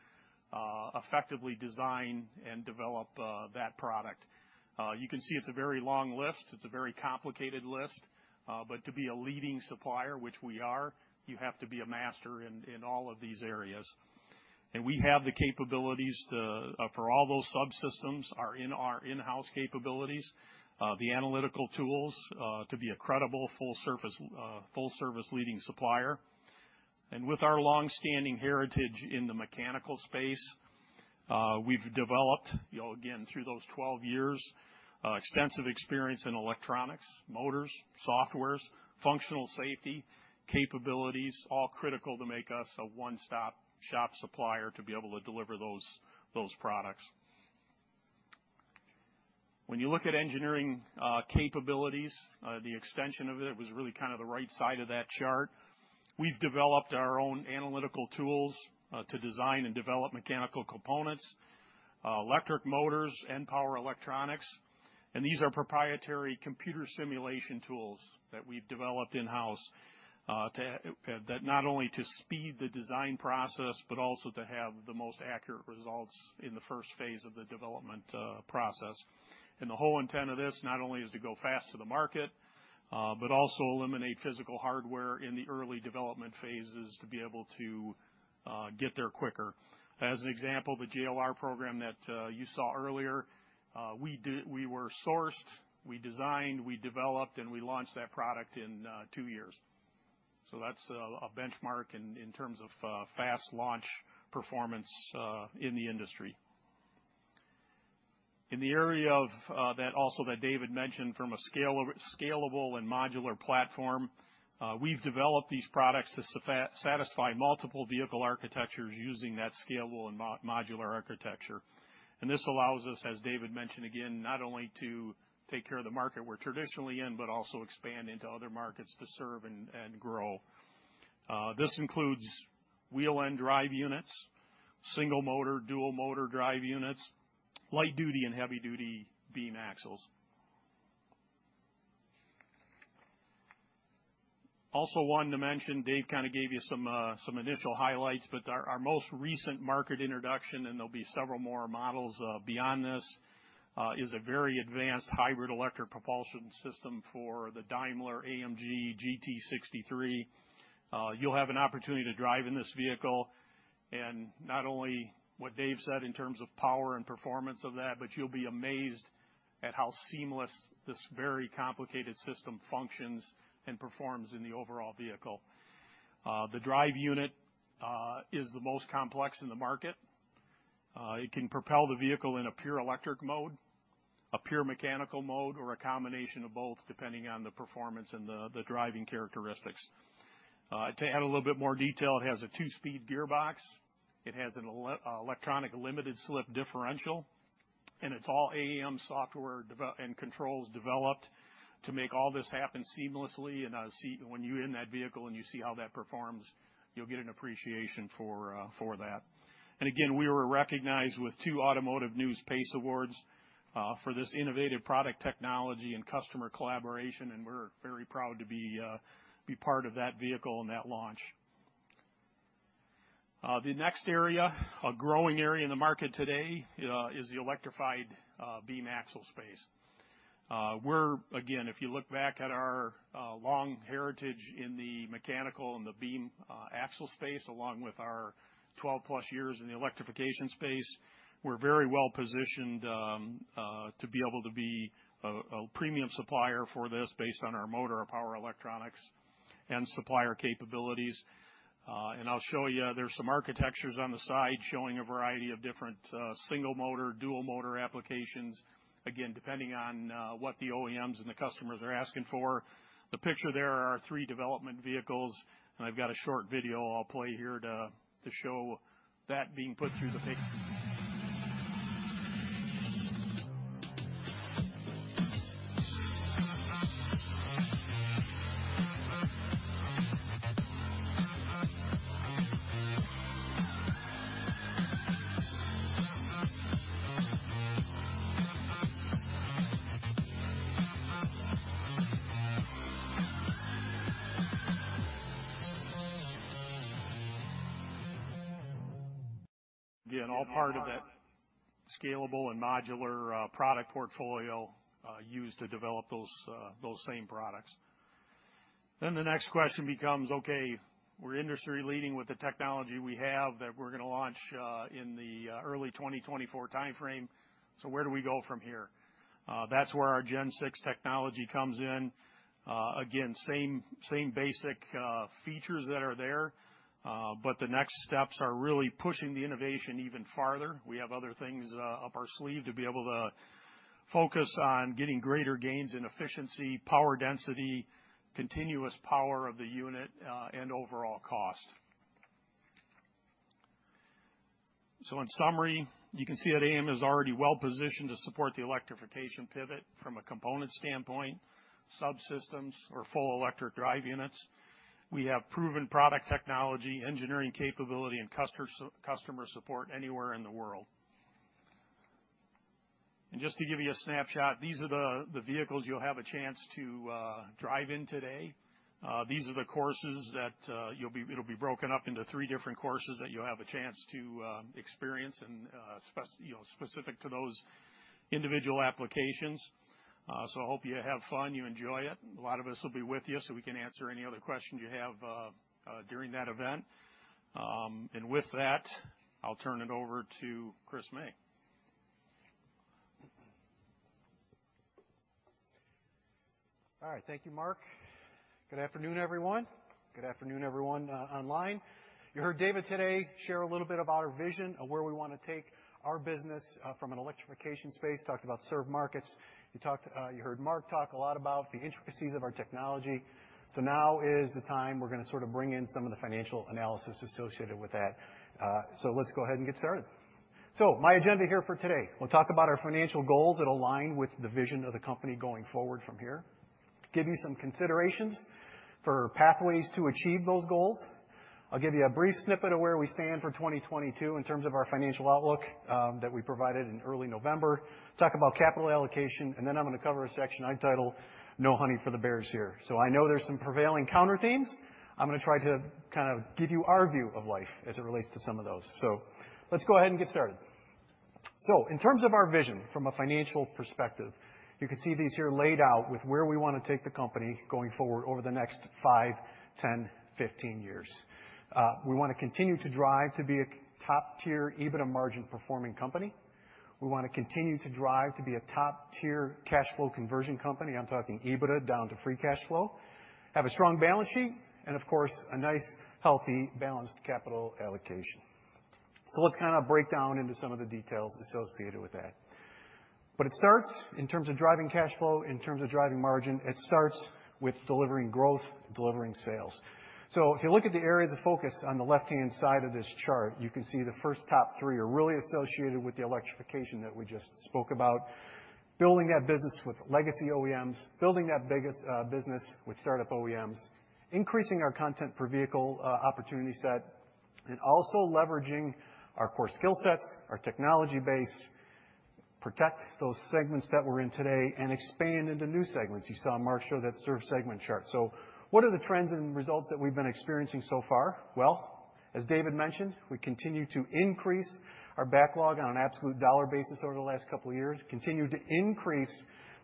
effectively design and develop that product. You can see it's a very long list. It's a very complicated list. To be a leading supplier, which we are, you have to be a master in all of these areas. We have the capabilities to-- for all those subsystems are in our in-house capabilities, the analytical tools, to be a credible, full service leading supplier. With our long-standing heritage in the mechanical space, we've developed, you know, again, through those 12 years, extensive experience in electronics, motors, software, functional safety, capabilities, all critical to make us a one-stop-shop supplier to be able to deliver those products. When you look at engineering, capabilities, the extension of it was really kind of the right side of that chart. We've developed our own analytical tools, to design and develop mechanical components, electric motors and power electronics. These are proprietary computer simulation tools that we've developed in-house to speed the design process, but also to have the most accurate results in the first phase of the development process. The whole intent of this not only is to go fast to the market, but also eliminate physical hardware in the early development phases to be able to get there quicker. As an example, the JLR program that you saw earlier, we were sourced, we designed, we developed, and we launched that product in 2 years. That's a benchmark in terms of fast launch performance in the industry. In the area of that also that David mentioned from a scalable and modular platform, we've developed these products to satisfy multiple vehicle architectures using that scalable and modular architecture. This allows us, as David mentioned again, not only to take care of the market we're traditionally in, but also expand into other markets to serve and grow. This includes wheel-end drive units, single motor, dual motor drive units, light duty and heavy duty beam axles. Also wanted to mention, Dave kinda gave you some initial highlights, but our most recent market introduction, and there'll be several more models beyond this, is a very advanced hybrid electric propulsion system for the Mercedes-AMG GT 63. You'll have an opportunity to drive in this vehicle. Not only what Dave said in terms of power and performance of that, but you'll be amazed at how seamless this very complicated system functions and performs in the overall vehicle. The drive unit is the most complex in the market. It can propel the vehicle in a pure electric mode, a pure mechanical mode, or a combination of both, depending on the performance and the driving characteristics. To add a little bit more detail, it has a two-speed gearbox. It has an electronic limited slip differential, and it's all AAM software and controls developed to make all this happen seamlessly. As you when you're in that vehicle and you see how that performs, you'll get an appreciation for that. Again, we were recognized with 2 Automotive News PACE Awards for this innovative product technology and customer collaboration, and we're very proud to be part of that vehicle and that launch. The next area, a growing area in the market today, is the electrified beam axle space. Again, if you look back at our long heritage in the mechanical and the beam axle space, along with our 12+ years in the electrification space, we're very well-positioned to be able to be a premium supplier for this based on our motor, our power electronics and supplier capabilities. I'll show you, there's some architectures on the side showing a variety of different single motor, dual motor applications, again, depending on what the OEMs and the customers are asking for. The picture there are our three development vehicles. I've got a short video I'll play here to show that being put through the pace. Again, all part of that scalable and modular product portfolio used to develop those same products. The next question becomes, okay, we're industry leading with the technology we have that we're gonna launch in the early 2024 timeframe. Where do we go from here? That's where our Gen 6 technology comes in. Again, same basic features that are there, the next steps are really pushing the innovation even farther. We have other things up our sleeve to be able to focus on getting greater gains in efficiency, power density, continuous power of the unit, and overall cost. In summary, you can see that AAM is already well-positioned to support the electrification pivot from a component standpoint, subsystems or full electric drive units. We have proven product technology, engineering capability and customer support anywhere in the world. Just to give you a snapshot, these are the vehicles you'll have a chance to drive in today. These are the courses that it'll be broken up into three different courses that you'll have a chance to experience and you know, specific to those individual applications. I hope you have fun, you enjoy it. A lot of us will be with you, so we can answer any other questions you have during that event. With that, I'll turn it over to Chris May. All right. Thank you, Mark. Good afternoon, everyone. Good afternoon everyone, online. You heard David today share a little bit about our vision of where we wanna take our business from an electrification space. Talked about served markets. You talked, you heard Mark talk a lot about the intricacies of our technology. Now is the time we're gonna sort of bring in some of the financial analysis associated with that. Let's go ahead and get started. My agenda here for today, we'll talk about our financial goals that align with the vision of the company going forward from here. Give you some considerations for pathways to achieve those goals. I'll give you a brief snippet of where we stand for 2022 in terms of our financial outlook that we provided in early November. Talk about capital allocation. I'm going to cover a section I title, No Honey for the Bears Here. I know there's some prevailing counter themes. I'm going to try to kind of give you our view of life as it relates to some of those. Let's go ahead and get started. In terms of our vision from a financial perspective, you can see these here laid out with where we want to take the company going forward over the next 5, 10, 15 years. We want to continue to drive to be a top-tier EBITDA margin performing company. We want to continue to drive to be a top-tier cash flow conversion company. I'm talking EBITDA down to free cash flow. Have a strong balance sheet and of course, a nice, healthy, balanced capital allocation. Let's kind of break down into some of the details associated with that. It starts in terms of driving cash flow, in terms of driving margin, it starts with delivering growth, delivering sales. If you look at the areas of focus on the left-hand side of this chart, you can see the first top three are really associated with the electrification that we just spoke about. Building that business with legacy OEMs, building that business with startup OEMs, increasing our content per vehicle opportunity set, and also leveraging our core skill sets, our technology base, protect those segments that we're in today and expand into new segments. You saw Mark show that serve segment chart. What are the trends and results that we've been experiencing so far? Well, as David mentioned, we continue to increase our backlog on an absolute dollar basis over the last couple of years. Continue to increase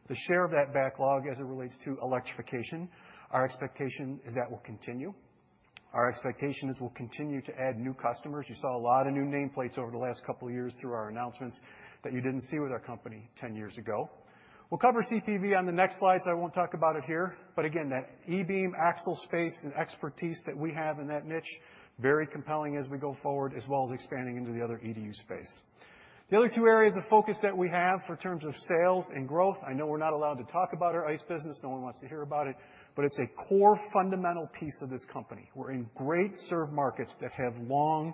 the share of that backlog as it relates to electrification. Our expectation is that will continue. Our expectation is we'll continue to add new customers. You saw a lot of new nameplates over the last couple of years through our announcements that you didn't see with our company 10 years ago. We'll cover CPV on the next slide, so I won't talk about it here, but again, that e-Beam axle space and expertise that we have in that niche, very compelling as we go forward, as well as expanding into the other EDU space. The other two areas of focus that we have for terms of sales and growth, I know we're not allowed to talk about our ICE business. No one wants to hear about it, but it's a core fundamental piece of this company. We're in great served markets that have long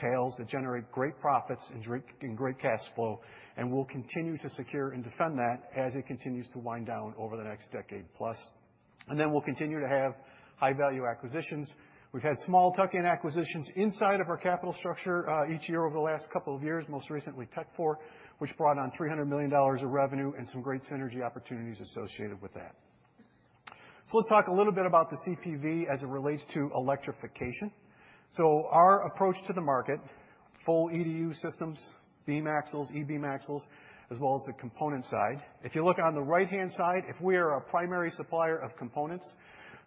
tails, that generate great profits and great cash flow. We'll continue to secure and defend that as it continues to wind down over the next decade plus. We'll continue to have high value acquisitions. We've had small tuck-in acquisitions inside of our capital structure each year over the last couple of years, most recently Tekfor, which brought on $300 million of revenue and some great synergy opportunities associated with that. Let's talk a little bit about the CPV as it relates to electrification. Our approach to the market, full EDU systems, beam axles, e-Beam axles, as well as the component side. If you look on the right-hand side, if we are a primary supplier of components,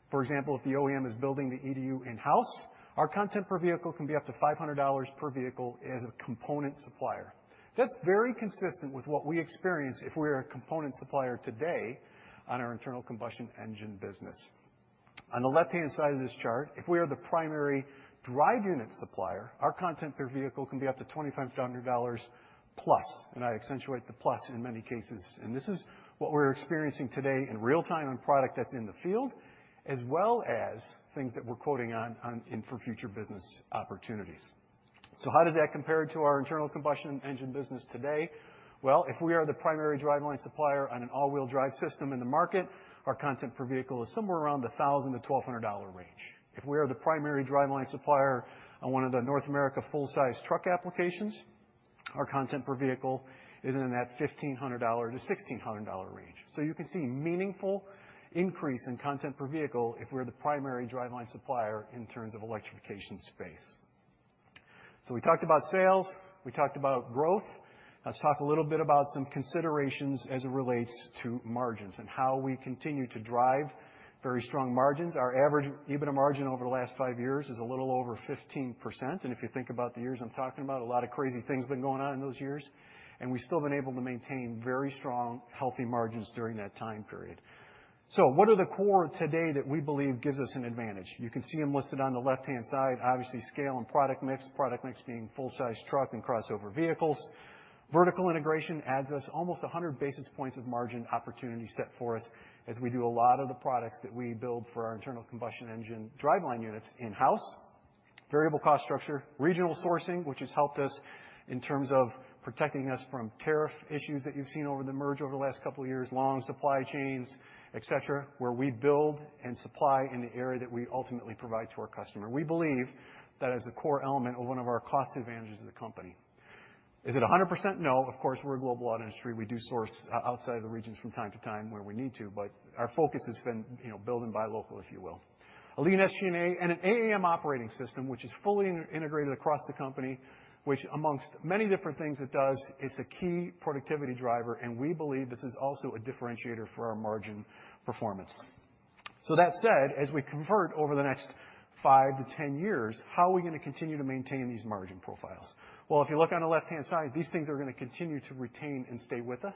for example, if the OEM is building the EDU in-house, our content per vehicle can be up to $500 per vehicle as a component supplier. That's very consistent with what we experience if we're a component supplier today on our internal combustion engine business. On the left-hand side of this chart, if we are the primary drive unit supplier, our content per vehicle can be up to $2,500 plus, and I accentuate the plus in many cases. This is what we're experiencing today in real-time on product that's in the field, as well as things that we're quoting on, in for future business opportunities. How does that compare to our internal combustion engine business today? If we are the primary driveline supplier on an all-wheel drive system in the market, our content per vehicle is somewhere around the $1,000-$1,200 range. If we are the primary driveline supplier on one of the North America full-size truck applications, our content per vehicle is in that $1,500-$1,600 range. You can see meaningful increase in content per vehicle if we're the primary driveline supplier in terms of electrification space. We talked about sales. We talked about growth. Let's talk a little bit about some considerations as it relates to margins and how we continue to drive very strong margins. Our average EBITDA margin over the last 5 years is a little over 15%. If you think about the years I'm talking about, a lot of crazy things have been going on in those years, and we've still been able to maintain very strong, healthy margins during that time period. What are the core today that we believe gives us an advantage? You can see them listed on the left-hand side, obviously, scale and product mix, product mix being full-size truck and crossover vehicles. Vertical integration adds us almost 100 basis points of margin opportunity set for us as we do a lot of the products that we build for our internal combustion engine driveline units in-house. Variable cost structure, regional sourcing, which has helped us in terms of protecting us from tariff issues that you've seen over the last couple of years, long supply chains, et cetera, where we build and supply in the area that we ultimately provide to our customer. We believe that as a core element of one of our cost advantages of the company. Is it 100%? No. Of course, we're a global auto industry. We do source outside of the regions from time to time where we need to, but our focus has been, you know, build and buy local, if you will. A lean SG&A and an AAM operating system, which is fully integrated across the company, which amongst many different things it does, is a key productivity driver, and we believe this is also a differentiator for our margin performance. That said, as we convert over the next 5 to 10 years, how are we gonna continue to maintain these margin profiles? Well, if you look on the left-hand side, these things are gonna continue to retain and stay with us.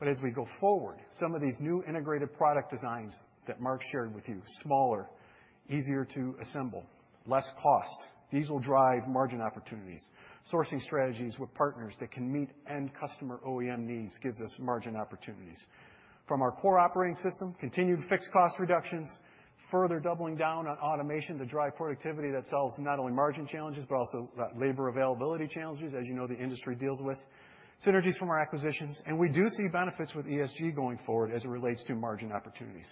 As we go forward, some of these new integrated product designs that Mark shared with you, smaller, easier to assemble, less cost. These will drive margin opportunities. Sourcing strategies with partners that can meet end customer OEM needs gives us margin opportunities. From our core operating system, continued fixed cost reductions, further doubling down on automation to drive productivity that solves not only margin challenges, but also labor availability challenges, as you know, the industry deals with. Synergies from our acquisitions, and we do see benefits with ESG going forward as it relates to margin opportunities.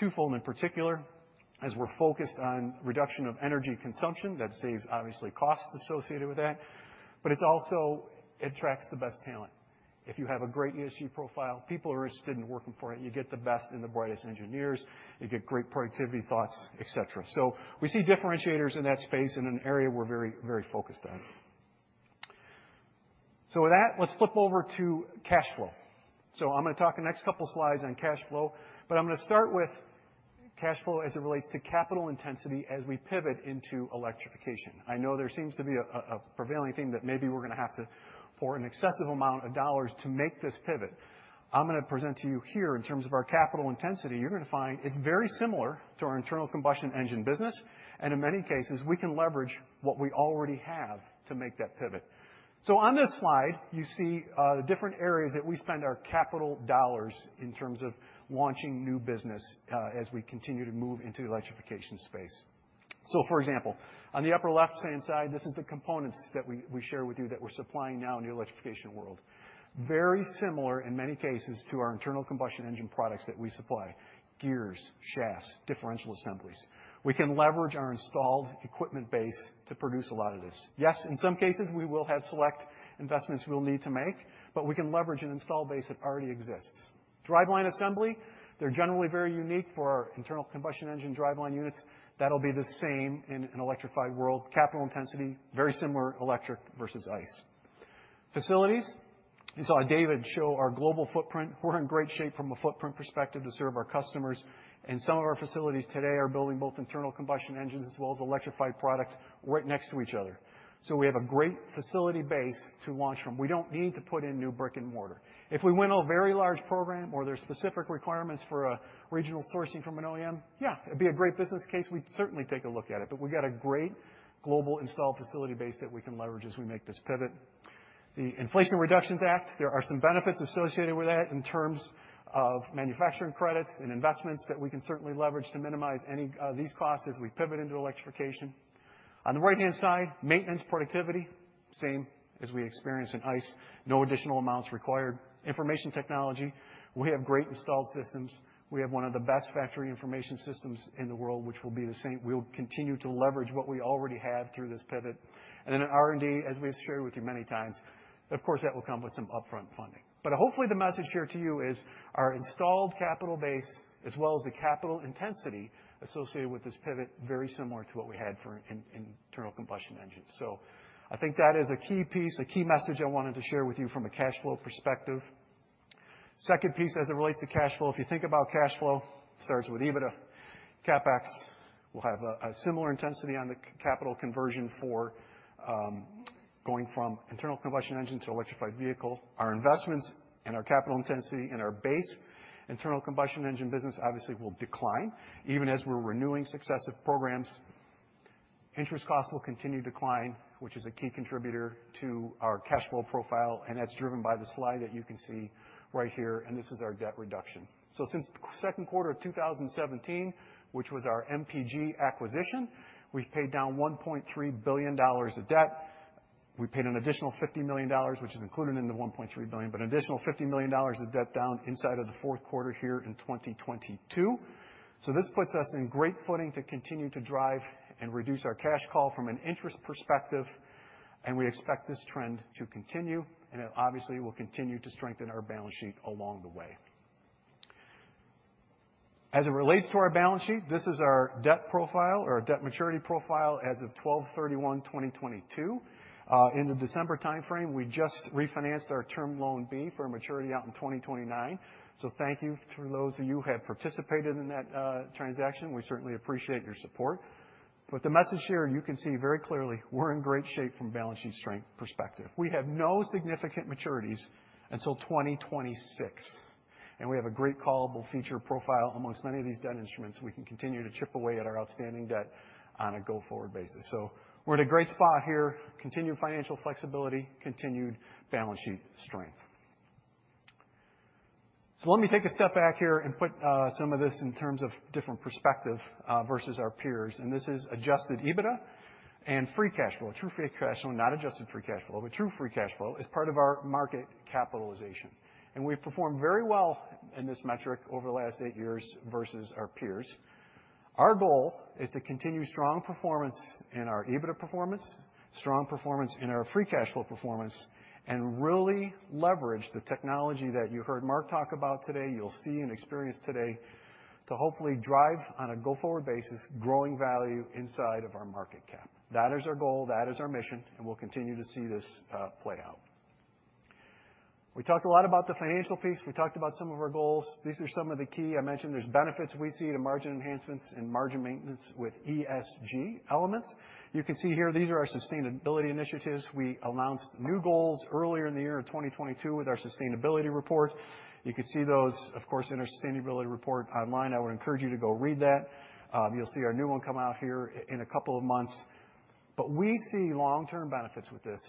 Twofold in particular, as we're focused on reduction of energy consumption, that saves obviously costs associated with that, it's also attracts the best talent. If you have a great ESG profile, people are interested in working for it. You get the best and the brightest engineers, you get great productivity thoughts, et cetera. We see differentiators in that space in an area we're very focused on. With that, let's flip over to cash flow. I'm gonna talk the next couple slides on cash flow, but I'm gonna start with cash flow as it relates to capital intensity as we pivot into electrification. I know there seems to be a prevailing theme that maybe we're gonna have to pour an excessive amount of dollars to make this pivot. I'm gonna present to you here in terms of our capital intensity, you're gonna find it's very similar to our internal combustion engine business, and in many cases, we can leverage what we already have to make that pivot. On this slide, you see the different areas that we spend our capital dollars in terms of launching new business, as we continue to move into the electrification space. For example, on the upper left-hand side, this is the components that we shared with you that we're supplying now in the electrification world. Very similar, in many cases, to our internal combustion engine products that we supply, gears, shafts, differential assemblies. We can leverage our installed equipment base to produce a lot of this. Yes, in some cases, we will have select investments we'll need to make, but we can leverage an install base that already exists. Driveline assembly, they're generally very unique for our internal combustion engine driveline units. That'll be the same in an electrified world. Capital intensity, very similar electric versus ICE. Facilities. You saw David show our global footprint. We're in great shape from a footprint perspective to serve our customers, and some of our facilities today are building both internal combustion engines as well as electrified product right next to each other. We have a great facility base to launch from. We don't need to put in new brick and mortar. If we win a very large program or there's specific requirements for a regional sourcing from an OEM, yeah, it'd be a great business case. We'd certainly take a look at it. We've got a great Global installed facility base that we can leverage as we make this pivot. The Inflation Reduction Act, there are some benefits associated with that in terms of manufacturing credits and investments that we can certainly leverage to minimize any these costs as we pivot into electrification. On the right-hand side, maintenance productivity, same as we experience in ICE, no additional amounts required. Information technology, we have great installed systems. We have one of the best factory information systems in the world, which will be the same. We'll continue to leverage what we already have through this pivot. In R&D, as we have shared with you many times, of course, that will come with some upfront funding. Hopefully, the message here to you is our installed capital base, as well as the capital intensity associated with this pivot, very similar to what we had for an internal combustion engine. I think that is a key piece, a key message I wanted to share with you from a cash flow perspective. Second piece as it relates to cash flow, if you think about cash flow, it starts with EBITDA. CapEx will have a similar intensity on the capital conversion for going from internal combustion engine to electrified vehicle. Our investments and our capital intensity in our base internal combustion engine business obviously will decline, even as we're renewing successive programs. Interest costs will continue to decline, which is a key contributor to our cash flow profile, and that's driven by the slide that you can see right here, and this is our debt reduction. Since the second quarter of 2017, which was our MPG acquisition, we've paid down $1.3 billion of debt. We paid an additional $50 million, which is included in the $1.3 billion, but an additional $50 million of debt down inside of the fourth quarter here in 2022. This puts us in great footing to continue to drive and reduce our cash call from an interest perspective, and we expect this trend to continue, and it obviously will continue to strengthen our balance sheet along the way. As it relates to our balance sheet, this is our debt profile or debt maturity profile as of 12/31/2022. In the December timeframe, we just refinanced our Term Loan B for maturity out in 2029. Thank you to those of you who have participated in that transaction. We certainly appreciate your support. The message here, and you can see very clearly, we're in great shape from a balance sheet strength perspective. We have no significant maturities until 2026, and we have a great callable feature profile amongst many of these debt instruments. We can continue to chip away at our outstanding debt on a go-forward basis. We're in a great spot here. Continued financial flexibility, continued balance sheet strength. Let me take a step back here and put some of this in terms of different perspective versus our peers, and this is adjusted EBITDA and free cash flow, true free cash flow, not adjusted free cash flow, but true free cash flow as part of our market capitalization. We've performed very well in this metric over the last eight years versus our peers. Our goal is to continue strong performance in our EBITDA performance, strong performance in our free cash flow performance, really leverage the technology that you heard Mark talk about today, you'll see and experience today, to hopefully drive on a go-forward basis growing value inside of our market cap. That is our goal. That is our mission. We'll continue to see this play out. We talked a lot about the financial piece. We talked about some of our goals. These are some of the key. I mentioned there's benefits we see to margin enhancements and margin maintenance with ESG elements. You can see here these are our sustainability initiatives. We announced new goals earlier in the year of 2022 with our sustainability report. You can see those, of course, in our sustainability report online. I would encourage you to go read that. You'll see our new one come out here in a couple of months. We see long-term benefits with this.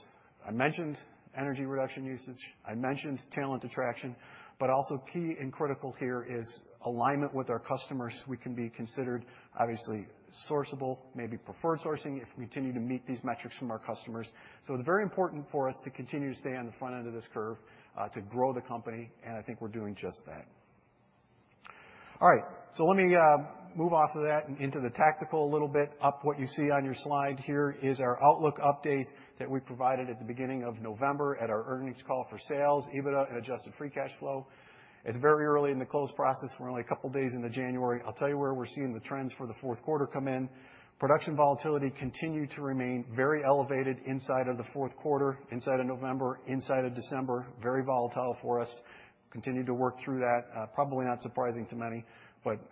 I mentioned energy reduction usage. I mentioned talent attraction, but also key and critical here is alignment with our customers. We can be considered obviously sourceable, maybe preferred sourcing if we continue to meet these metrics from our customers. It's very important for us to continue to stay on the front end of this curve to grow the company, and I think we're doing just that. All right. Let me move off of that and into the tactical a little bit. Up what you see on your slide here is our outlook update that we provided at the beginning of November at our earnings call for sales, EBITDA, and adjusted free cash flow. It's very early in the close process. We're only a couple days into January. I'll tell you where we're seeing the trends for the fourth quarter come in. Production volatility continued to remain very elevated inside of the fourth quarter, inside of November, inside of December. Very volatile for us. Continued to work through that. Probably not surprising to many,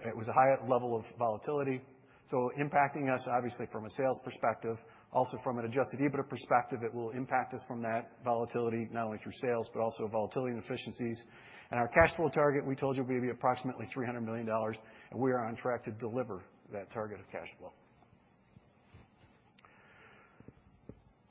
it was a high level of volatility. Impacting us obviously from a sales perspective, also from an adjusted EBITDA perspective, it will impact us from that volatility, not only through sales, but also volatility and efficiencies. Our cash flow target, we told you, would be approximately $300 million, we are on track to deliver that target of cash flow.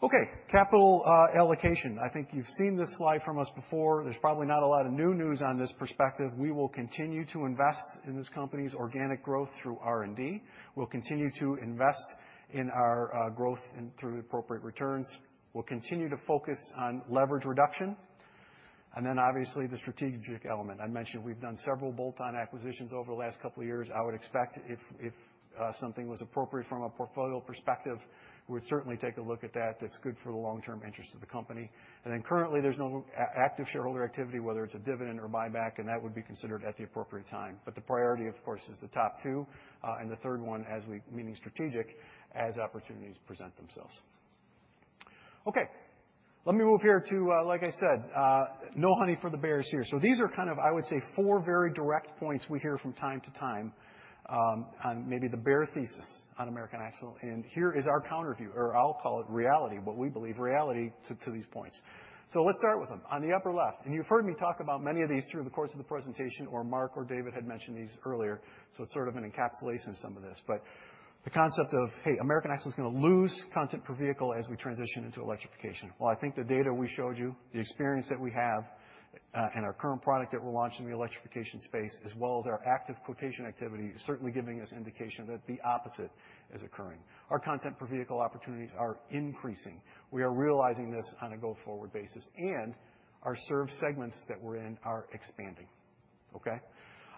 Okay, capital allocation. I think you've seen this slide from us before. There's probably not a lot of new news on this perspective. We will continue to invest in this company's organic growth through R&D. We'll continue to invest in our growth through appropriate returns. We'll continue to focus on leverage reduction. Obviously, the strategic element. I mentioned we've done several bolt-on acquisitions over the last couple of years. I would expect if something was appropriate from a portfolio perspective, we'd certainly take a look at that. That's good for the long-term interest of the company. Currently, there's no active shareholder activity, whether it's a dividend or buyback, and that would be considered at the appropriate time. The priority, of course, is the top two, and the third one as meaning strategic, as opportunities present themselves. Okay, let me move here to, like I said, no honey for the bears here. These are kind of, I would say, four very direct points we hear from time to time, on maybe the bear thesis on American Axle. Here is our counterview, or I'll call it reality, what we believe reality to these points. Let's start with them. On the upper left, You've heard me talk about many of these through the course of the presentation, or Mark or David had mentioned these earlier, It's sort of an encapsulation of some of this. The concept of, "Hey, American Axle is gonna lose content per vehicle as we transition into electrification." Well, I think the data we showed you, the experience that we have, and our current product that we're launching in the electrification space, as well as our active quotation activity is certainly giving us indication that the opposite is occurring. Our content per vehicle opportunities are increasing. We are realizing this on a go-forward basis, our served segments that we're in are expanding, okay?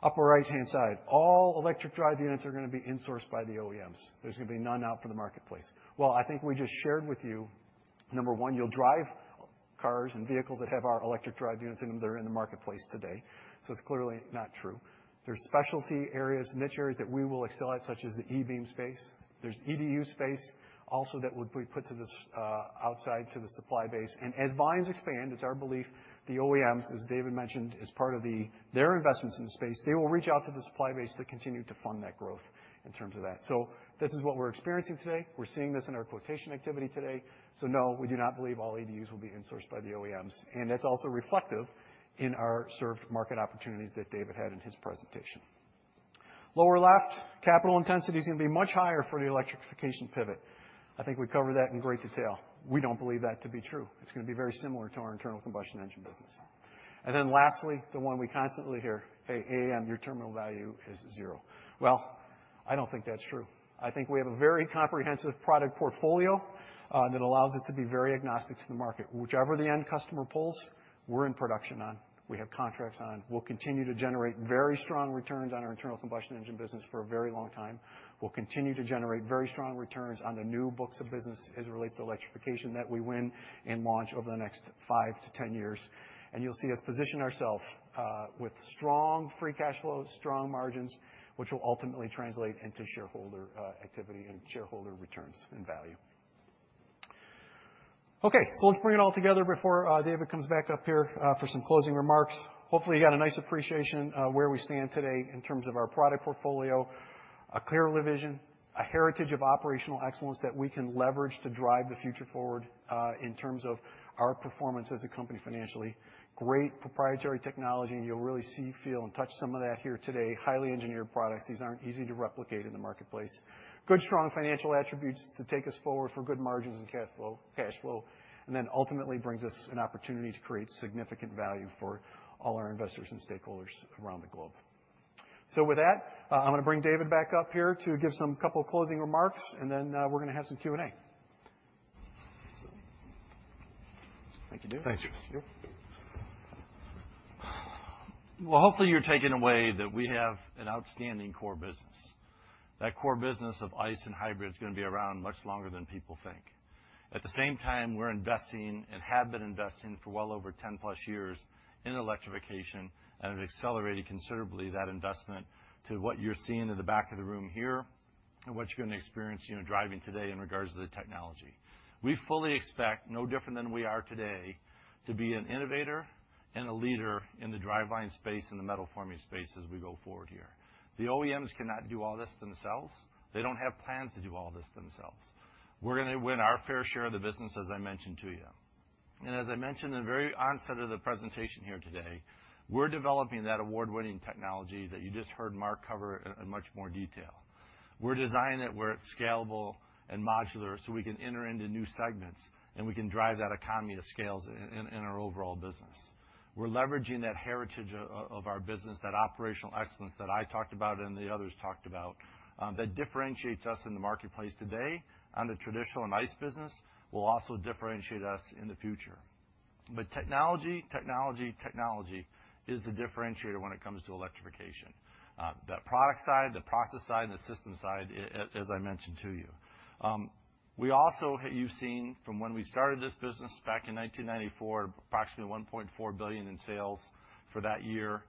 Upper right-hand side, all Electric Drive Units are gonna be insourced by the OEMs. There's gonna be none out for the marketplace. Well, I think we just shared with you, number one, you'll drive cars and vehicles that have our Electric Drive Units in them that are in the marketplace today, so it's clearly not true. There's specialty areas, niche areas that we will excel at, such as the e-Beam space. There's EDU space also that would be put to the outside to the supply base. As volumes expand, it's our belief the OEMs, as David mentioned, as part of their investments in the space, they will reach out to the supply base to continue to fund that growth in terms of that. This is what we're experiencing today. We're seeing this in our quotation activity today. No, we do not believe all EDUs will be insourced by the OEMs, and that's also reflective in our served market opportunities that David had in his presentation. Lower left, capital intensity is gonna be much higher for the electrification pivot. I think we covered that in great detail. We don't believe that to be true. It's gonna be very similar to our internal combustion engine business. Lastly, the one we constantly hear, "Hey, AAM, your terminal value is zero." I don't think that's true. I think we have a very comprehensive product portfolio that allows us to be very agnostic to the market. Whichever the end customer pulls, we're in production on. We have contracts on. We'll continue to generate very strong returns on our internal combustion engine business for a very long time. We'll continue to generate very strong returns on the new books of business as it relates to electrification that we win and launch over the next 5-10 years. You'll see us position ourself with strong free cash flow, strong margins, which will ultimately translate into shareholder activity and shareholder returns and value. Let's bring it all together before David comes back up here for some closing remarks. Hopefully you got a nice appreciation of where we stand today in terms of our product portfolio, a clear revision, a heritage of operational excellence that we can leverage to drive the future forward in terms of our performance as a company financially. Great proprietary technology, and you'll really see, feel, and touch some of that here today. Highly engineered products. These aren't easy to replicate in the marketplace. Good, strong financial attributes to take us forward for good margins and cashflow, and then ultimately brings us an opportunity to create significant value for all our investors and stakeholders around the globe. With that, I'm gonna bring David back up here to give some couple closing remarks, and then we're gonna have some Q&A. Thank you, David. Thank you. Thank you. Hopefully you're taking away that we have an outstanding core business. That core business of ICE and hybrid is gonna be around much longer than people think. The same time, we're investing and have been investing for well over 10+ years in electrification and have accelerated considerably that investment to what you're seeing in the back of the room here and what you're gonna experience, you know, driving today in regards to the technology. We fully expect, no different than we are today, to be an innovator and a leader in the driveline space and the metal forming space as we go forward here. The OEMs cannot do all this themselves. They don't have plans to do all this themselves. We're gonna win our fair share of the business, as I mentioned to you. As I mentioned in the very onset of the presentation here today, we're developing that award-winning technology that you just heard Mark cover in much more detail. We're designing it where it's scalable and modular, so we can enter into new segments, and we can drive that economy to scales in our overall business. We're leveraging that heritage of our business, that operational excellence that I talked about and the others talked about, that differentiates us in the marketplace today on the traditional and ICE business will also differentiate us in the future. Technology, technology is the differentiator when it comes to electrification. The product side, the process side, and the system side, as I mentioned to you. We also, you've seen from when we started this business back in 1994, approximately $1.4 billion in sales for that year,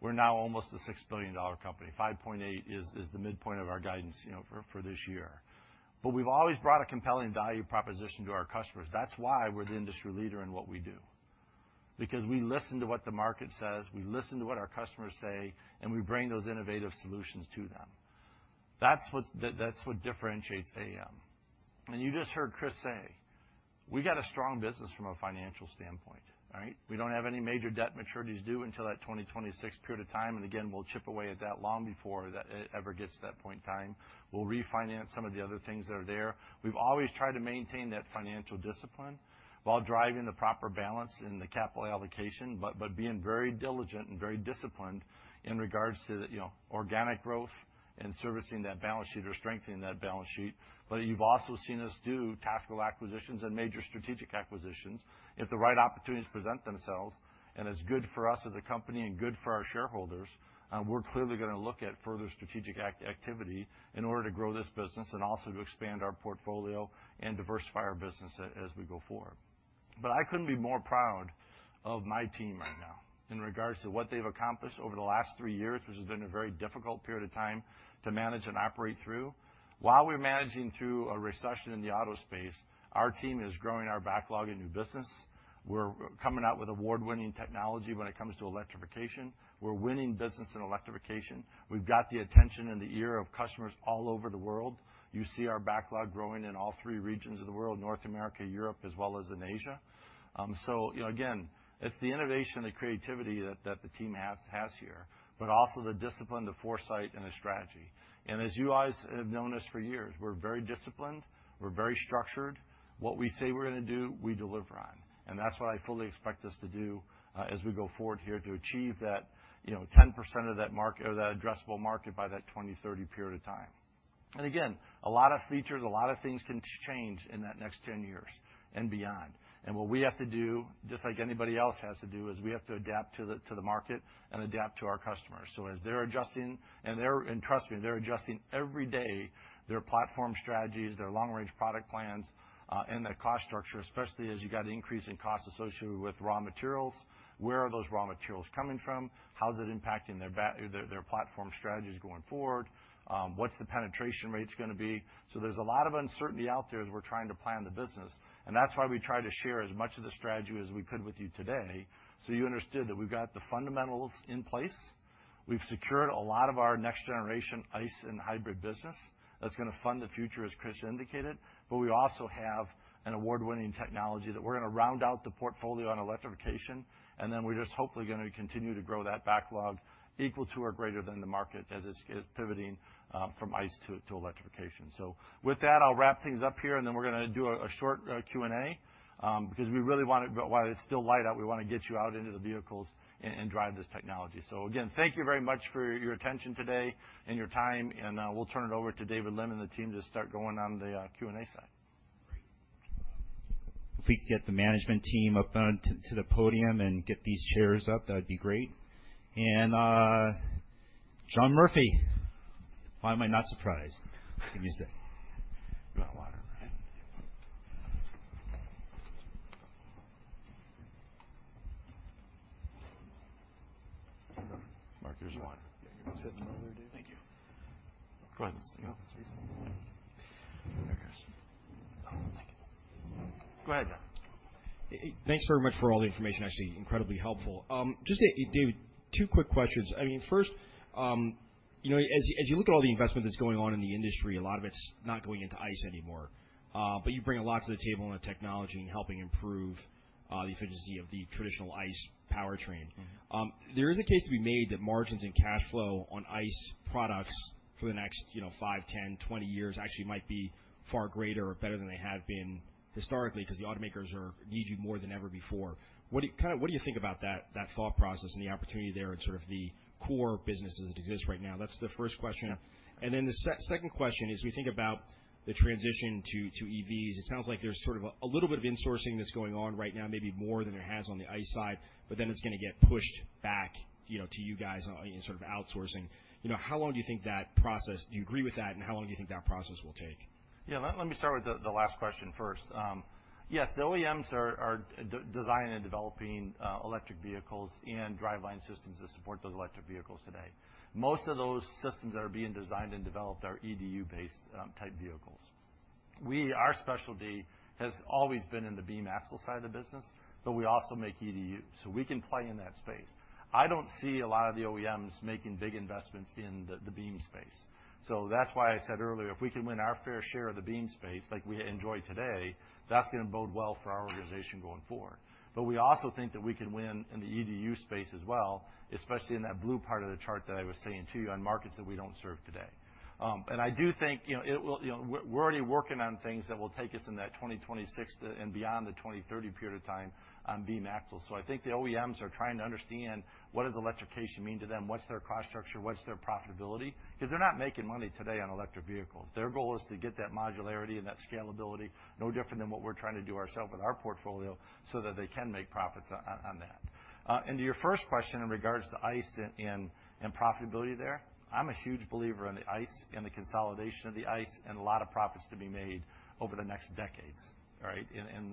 we're now almost a $6 billion company. $5.8 billion is the midpoint of our guidance for this year. We've always brought a compelling value proposition to our customers. That's why we're the industry leader in what we do, because we listen to what the market says, we listen to what our customers say, and we bring those innovative solutions to them. That's what differentiates AAM. You just heard Chris say, we got a strong business from a financial standpoint, all right? We don't have any major debt maturities due until that 2026 period of time. Again, we'll chip away at that long before that ever gets to that point in time. We'll refinance some of the other things that are there. We've always tried to maintain that financial discipline while driving the proper balance in the capital allocation by being very diligent and very disciplined in regards to the, you know, organic growth and servicing that balance sheet or strengthening that balance sheet. You've also seen us do tactical acquisitions and major strategic acquisitions. If the right opportunities present themselves and it's good for us as a company and good for our shareholders, we're clearly gonna look at further strategic activity in order to grow this business and also to expand our portfolio and diversify our business as we go forward. I couldn't be more proud of my team right now in regards to what they've accomplished over the last three years, which has been a very difficult period of time to manage and operate through. While we're managing through a recession in the auto space, our team is growing our backlog in new business. We're coming out with award-winning technology when it comes to electrification. We're winning business in electrification. We've got the attention and the ear of customers all over the world. You see our backlog growing in all three regions of the world, North America, Europe, as well as in Asia. You know, again, it's the innovation, the creativity that the team has here, but also the discipline, the foresight, and the strategy. As you guys have known us for years, we're very disciplined. We're very structured. What we say we're gonna do, we deliver on. That's what I fully expect us to do, as we go forward here to achieve that, you know, 10% of the addressable market by that 2030 period of time. Again, a lot of features, a lot of things can change in that next 10 years and beyond. What we have to do, just like anybody else has to do, is we have to adapt to the market and adapt to our customers. As they're adjusting, and trust me, they're adjusting every day their platform strategies, their long-range product plans, and their cost structure, especially as you got increasing costs associated with raw materials. Where are those raw materials coming from? How's it impacting their platform strategies going forward? What's the penetration rates gonna be? There's a lot of uncertainty out there as we're trying to plan the business. That's why we try to share as much of the strategy as we could with you today, so you understood that we've got the fundamentals in place. We've secured a lot of our next generation ICE and hybrid business that's gonna fund the future, as Chris indicated. We also have an award-winning technology that we're gonna round out the portfolio on electrification, and then we're just hopefully gonna continue to grow that backlog equal to or greater than the market as it's pivoting from ICE to electrification. With that, I'll wrap things up here, and then we're gonna do a short Q&A because we really wanted while it's still light out, we wanna get you out into the vehicles and drive this technology. Again, thank you very much for your attention today and your time, and we'll turn it over to David Lim and the team to start going on the Q&A side. If we could get the management team up to the podium and get these chairs up, that'd be great. John Murphy, why am I not surprised? What can you say? You want water, right? Mark, here's your water. Yeah. You're sitting in the other dude. Thank you. Go ahead and stay off this reason. There it is. Oh, thank you. Go ahead, John. Thanks very much for all the information, actually. Incredibly helpful. Just, David, 2 quick questions. I mean, first, you know, as you look at all the investment that's going on in the industry, a lot of it's not going into ICE anymore. You bring a lot to the table in the technology and helping improve the efficiency of the traditional ICE powertrain. There is a case to be made that margins and cash flow on ICE products for the next, you know, 5, 10, 20 years actually might be far greater or better than they have been historically because the automakers need you more than ever before. What do you think about that thought process and the opportunity there and sort of the core business as it exists right now? That's the first question. Yeah. The second question is, we think about the transition to EVs. It sounds like there's sort of a little bit of insourcing that's going on right now, maybe more than it has on the ICE side, but then it's gonna get pushed back, you know, to you guys on sort of outsourcing. Do you agree with that, and how long do you think that process will take? Yeah. Let me start with the last question first. Yes, the OEMs are de-designing and developing electric vehicles and driveline systems to support those electric vehicles today. Most of those systems that are being designed and developed are EDU-based type vehicles. Our specialty has always been in the beam axle side of the business, but we also make EDU, so we can play in that space. I don't see a lot of the OEMs making big investments in the beam space. That's why I said earlier, if we can win our fair share of the beam space like we enjoy today, that's gonna bode well for our organization going forward. We also think that we can win in the EDU space as well, especially in that blue part of the chart that I was saying to you on markets that we don't serve today. I do think, you know, it will. You know, we're already working on things that will take us in that 2026 to and beyond the 2030 period of time on beam axles. I think the OEMs are trying to understand what does electrification mean to them, what's their cost structure, what's their profitability, 'cause they're not making money today on electric vehicles. Their goal is to get that modularity and that scalability, no different than what we're trying to do ourselves with our portfolio, so that they can make profits on that. To your first question in regards to ICE and profitability there, I'm a huge believer in the ICE and the consolidation of the ICE and a lot of profits to be made over the next decades. All right?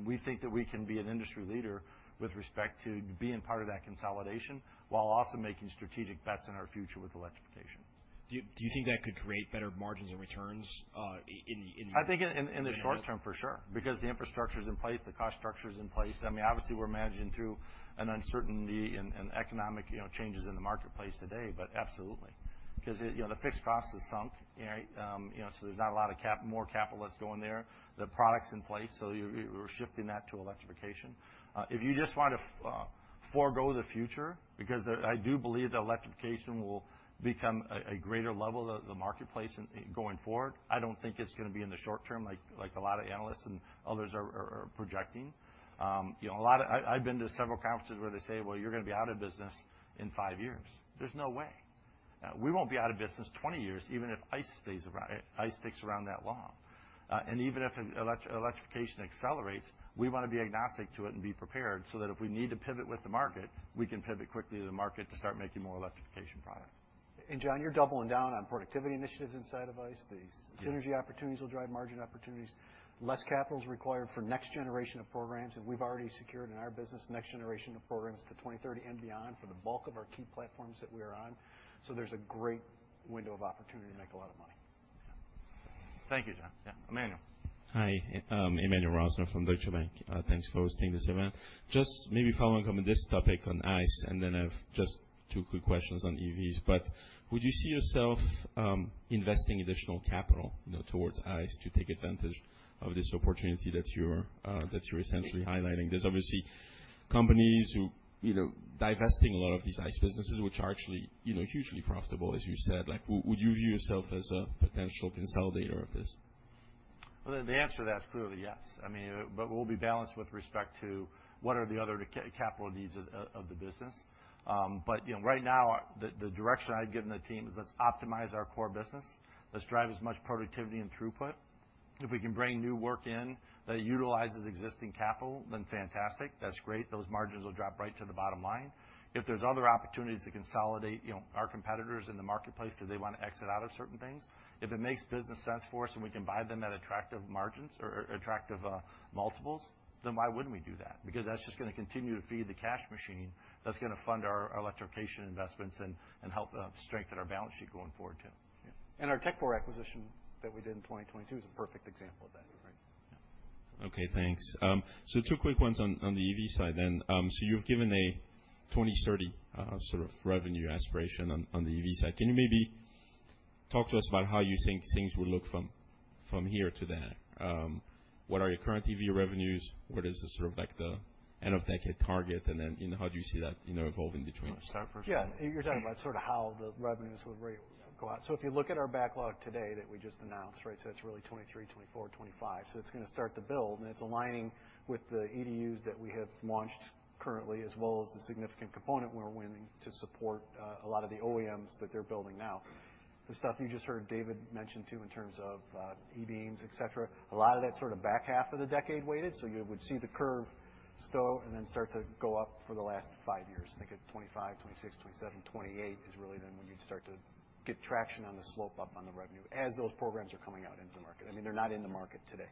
We think that we can be an industry leader with respect to being part of that consolidation while also making strategic bets in our future with electrification. Do you think that could create better margins and returns? I think in the short term, for sure, because the infrastructure's in place, the cost structure's in place. I mean, obviously, we're managing through an uncertainty and economic, you know, changes in the marketplace today. Absolutely. You know, the fixed cost is sunk, right? You know, there's not a lot of more capital that's going there. The product's in place, we're shifting that to electrification. If you just want to forego the future, because I do believe that electrification will become a greater level of the marketplace going forward. I don't think it's gonna be in the short term like a lot of analysts and others are projecting. You know, a lot of. I've been to several conferences where they say, "Well, you're gonna be out of business in five years." There's no way. We won't be out of business 20 years, even if ICE sticks around that long. Even if electrification accelerates, we wanna be agnostic to it and be prepared so that if we need to pivot with the market, we can pivot quickly to the market to start making more electrification products. John, you're doubling down on productivity initiatives inside of ICE. These synergy opportunities will drive margin opportunities. Less capital is required for next generation of programs, and we've already secured in our business next generation of programs to 2030 and beyond for the bulk of our key platforms that we are on. There's a great window of opportunity to make a lot of money. Thank you, John. Yeah. Emmanuel. Hi. Emmanuel Rosner from Deutsche Bank. Thanks for hosting this event. Just maybe following up on this topic on ICE, and then I've just two quick questions on EVs. Would you see yourself investing additional capital, you know, towards ICE to take advantage of this opportunity that you're essentially highlighting? There's obviously companies who, you know, divesting a lot of these ICE businesses, which are actually, you know, hugely profitable, as you said. Like, would you view yourself as a potential consolidator of this? Well, the answer to that is clearly yes. I mean, we'll be balanced with respect to what are the other capital needs of the business. You know, right now, the direction I've given the team is let's optimize our core business. Let's drive as much productivity and throughput. If we can bring new work in that utilizes existing capital, fantastic. That's great. Those margins will drop right to the bottom line. If there's other opportunities to consolidate, you know, our competitors in the marketplace, do they wanna exit out of certain things? If it makes business sense for us, and we can buy them at attractive margins or attractive multiples, why wouldn't we do that? that's just gonna continue to feed the cash machine that's gonna fund our electrification investments and help strengthen our balance sheet going forward, too. Yeah. Our Tekfor acquisition that we did in 2022 is a perfect example of that. Okay. Thanks. Two quick ones on the EV side then. You've given a 2030 sort of revenue aspiration on the EV side. Can you maybe talk to us about how you think things will look from here to there? What are your current EV revenues? What is the sort of like the end of decade target? You know, how do you see that, you know, evolving between? You wanna start first? Yeah. You're talking about sort of how the revenues will really go out. If you look at our backlog today that we just announced, right? That's really 2023, 2024, 2025. It's gonna start to build, and it's aligning with the EDUs that we have launched currently, as well as the significant component we're winning to support a lot of the OEMs that they're building now. The stuff you just heard David mention, too, in terms of e-Beam, et cetera, a lot of that's sort of back half of the decade weighted, so you would see the curve stow and then start to go up for the last 5 years. Think of 2025, 2026, 2027, 2028 is really then when you'd start to get traction on the slope up on the revenue as those programs are coming out into the market. I mean, they're not in the market today.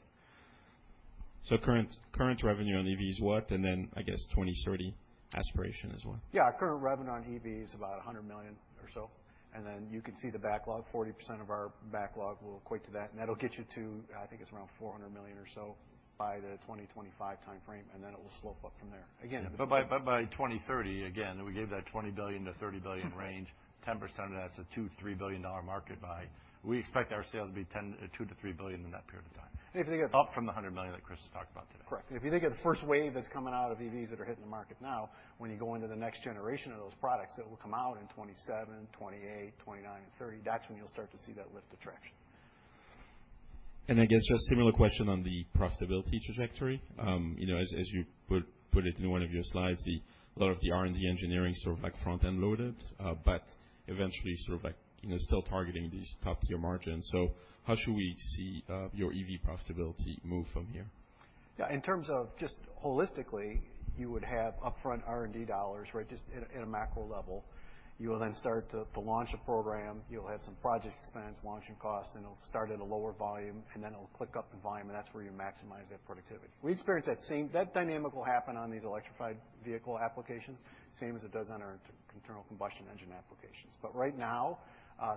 Current revenue on EV is what? I guess, 2030 aspiration as well. Yeah. Current revenue on EV is about $100 million or so. You could see the backlog. 40% of our backlog will equate to that. That'll get you to, I think it's around $400 million or so by the 2025 timeframe, and then it will slope up from there. by 2030, we gave that $20 billion-$30 billion range, 10% of that's a $2 billion-$3 billion market by. We expect our sales to be $2 billion-$3 billion in that period of time. if you think of- Up from the $100 million that Chris was talking about today. Correct. If you think of the first wave that's coming out of EVs that are hitting the market now, when you go into the next generation of those products that will come out in 2027, 2028, 2029, and 2030, that's when you'll start to see that lift of traction. I guess just similar question on the profitability trajectory. You know, as you put it in one of your slides, a lot of the R&D engineering sort of like front-end loaded, but eventually sort of like, you know, still targeting these top-tier margins. How should we see your EV profitability move from here? Yeah. In terms of just holistically, you would have upfront R&D dollars, right? Just in a macro level. You will then start to launch a program. You'll have some project expense, launching costs, and it'll start at a lower volume, and then it'll click up in volume, and that's where you maximize that productivity. That dynamic will happen on these electrified vehicle applications, same as it does on our internal combustion engine applications. Right now,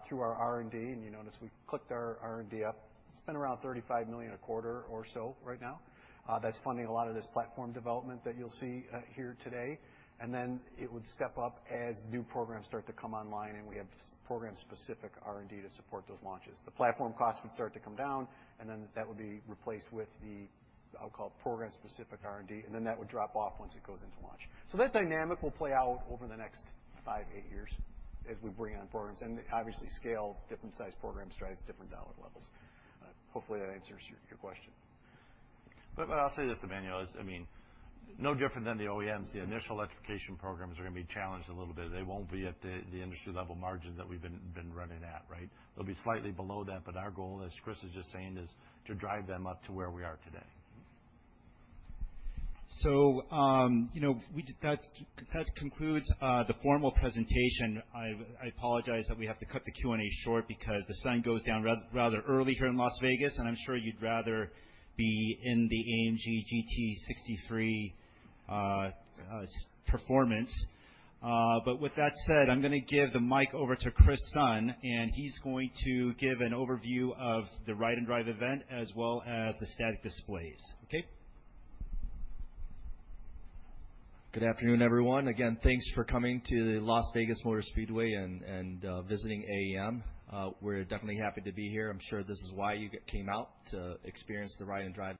through our R&D, and you notice we've clicked our R&D up, it's been around $35 million a quarter or so right now. That's funding a lot of this platform development that you'll see here today. It would step up as new programs start to come online, and we have program specific R&D to support those launches. The platform costs would start to come down, and then that would be replaced with the, I'll call it program-specific R&D, and then that would drop off once it goes into launch. That dynamic will play out over the next 5, 8 years as we bring on programs. Obviously, scale, different sized programs drives different dollar levels. Hopefully, that answers your question. But I'll say this, Emmanuel, is, I mean, no different than the OEMs, the initial electrification programs are gonna be challenged a little bit. They won't be at the industry level margins that we've been running at, right? They'll be slightly below that. Our goal, as Chris was just saying, is to drive them up to where we are today. You know, That concludes the formal presentation. I apologize that we have to cut the Q&A short because the sun goes down rather early here in Las Vegas, and I'm sure you'd rather be in the AMG GT 63 performance. With that said, I'm gonna give the mic over to Chris Son, and he's going to give an overview of the Ride and Drive event as well as the static displays. Okay? Good afternoon, everyone. Again, thanks for coming to the Las Vegas Motor Speedway and visiting AAM. We're definitely happy to be here. I'm sure this is why you came out, to experience the Ride and Drive.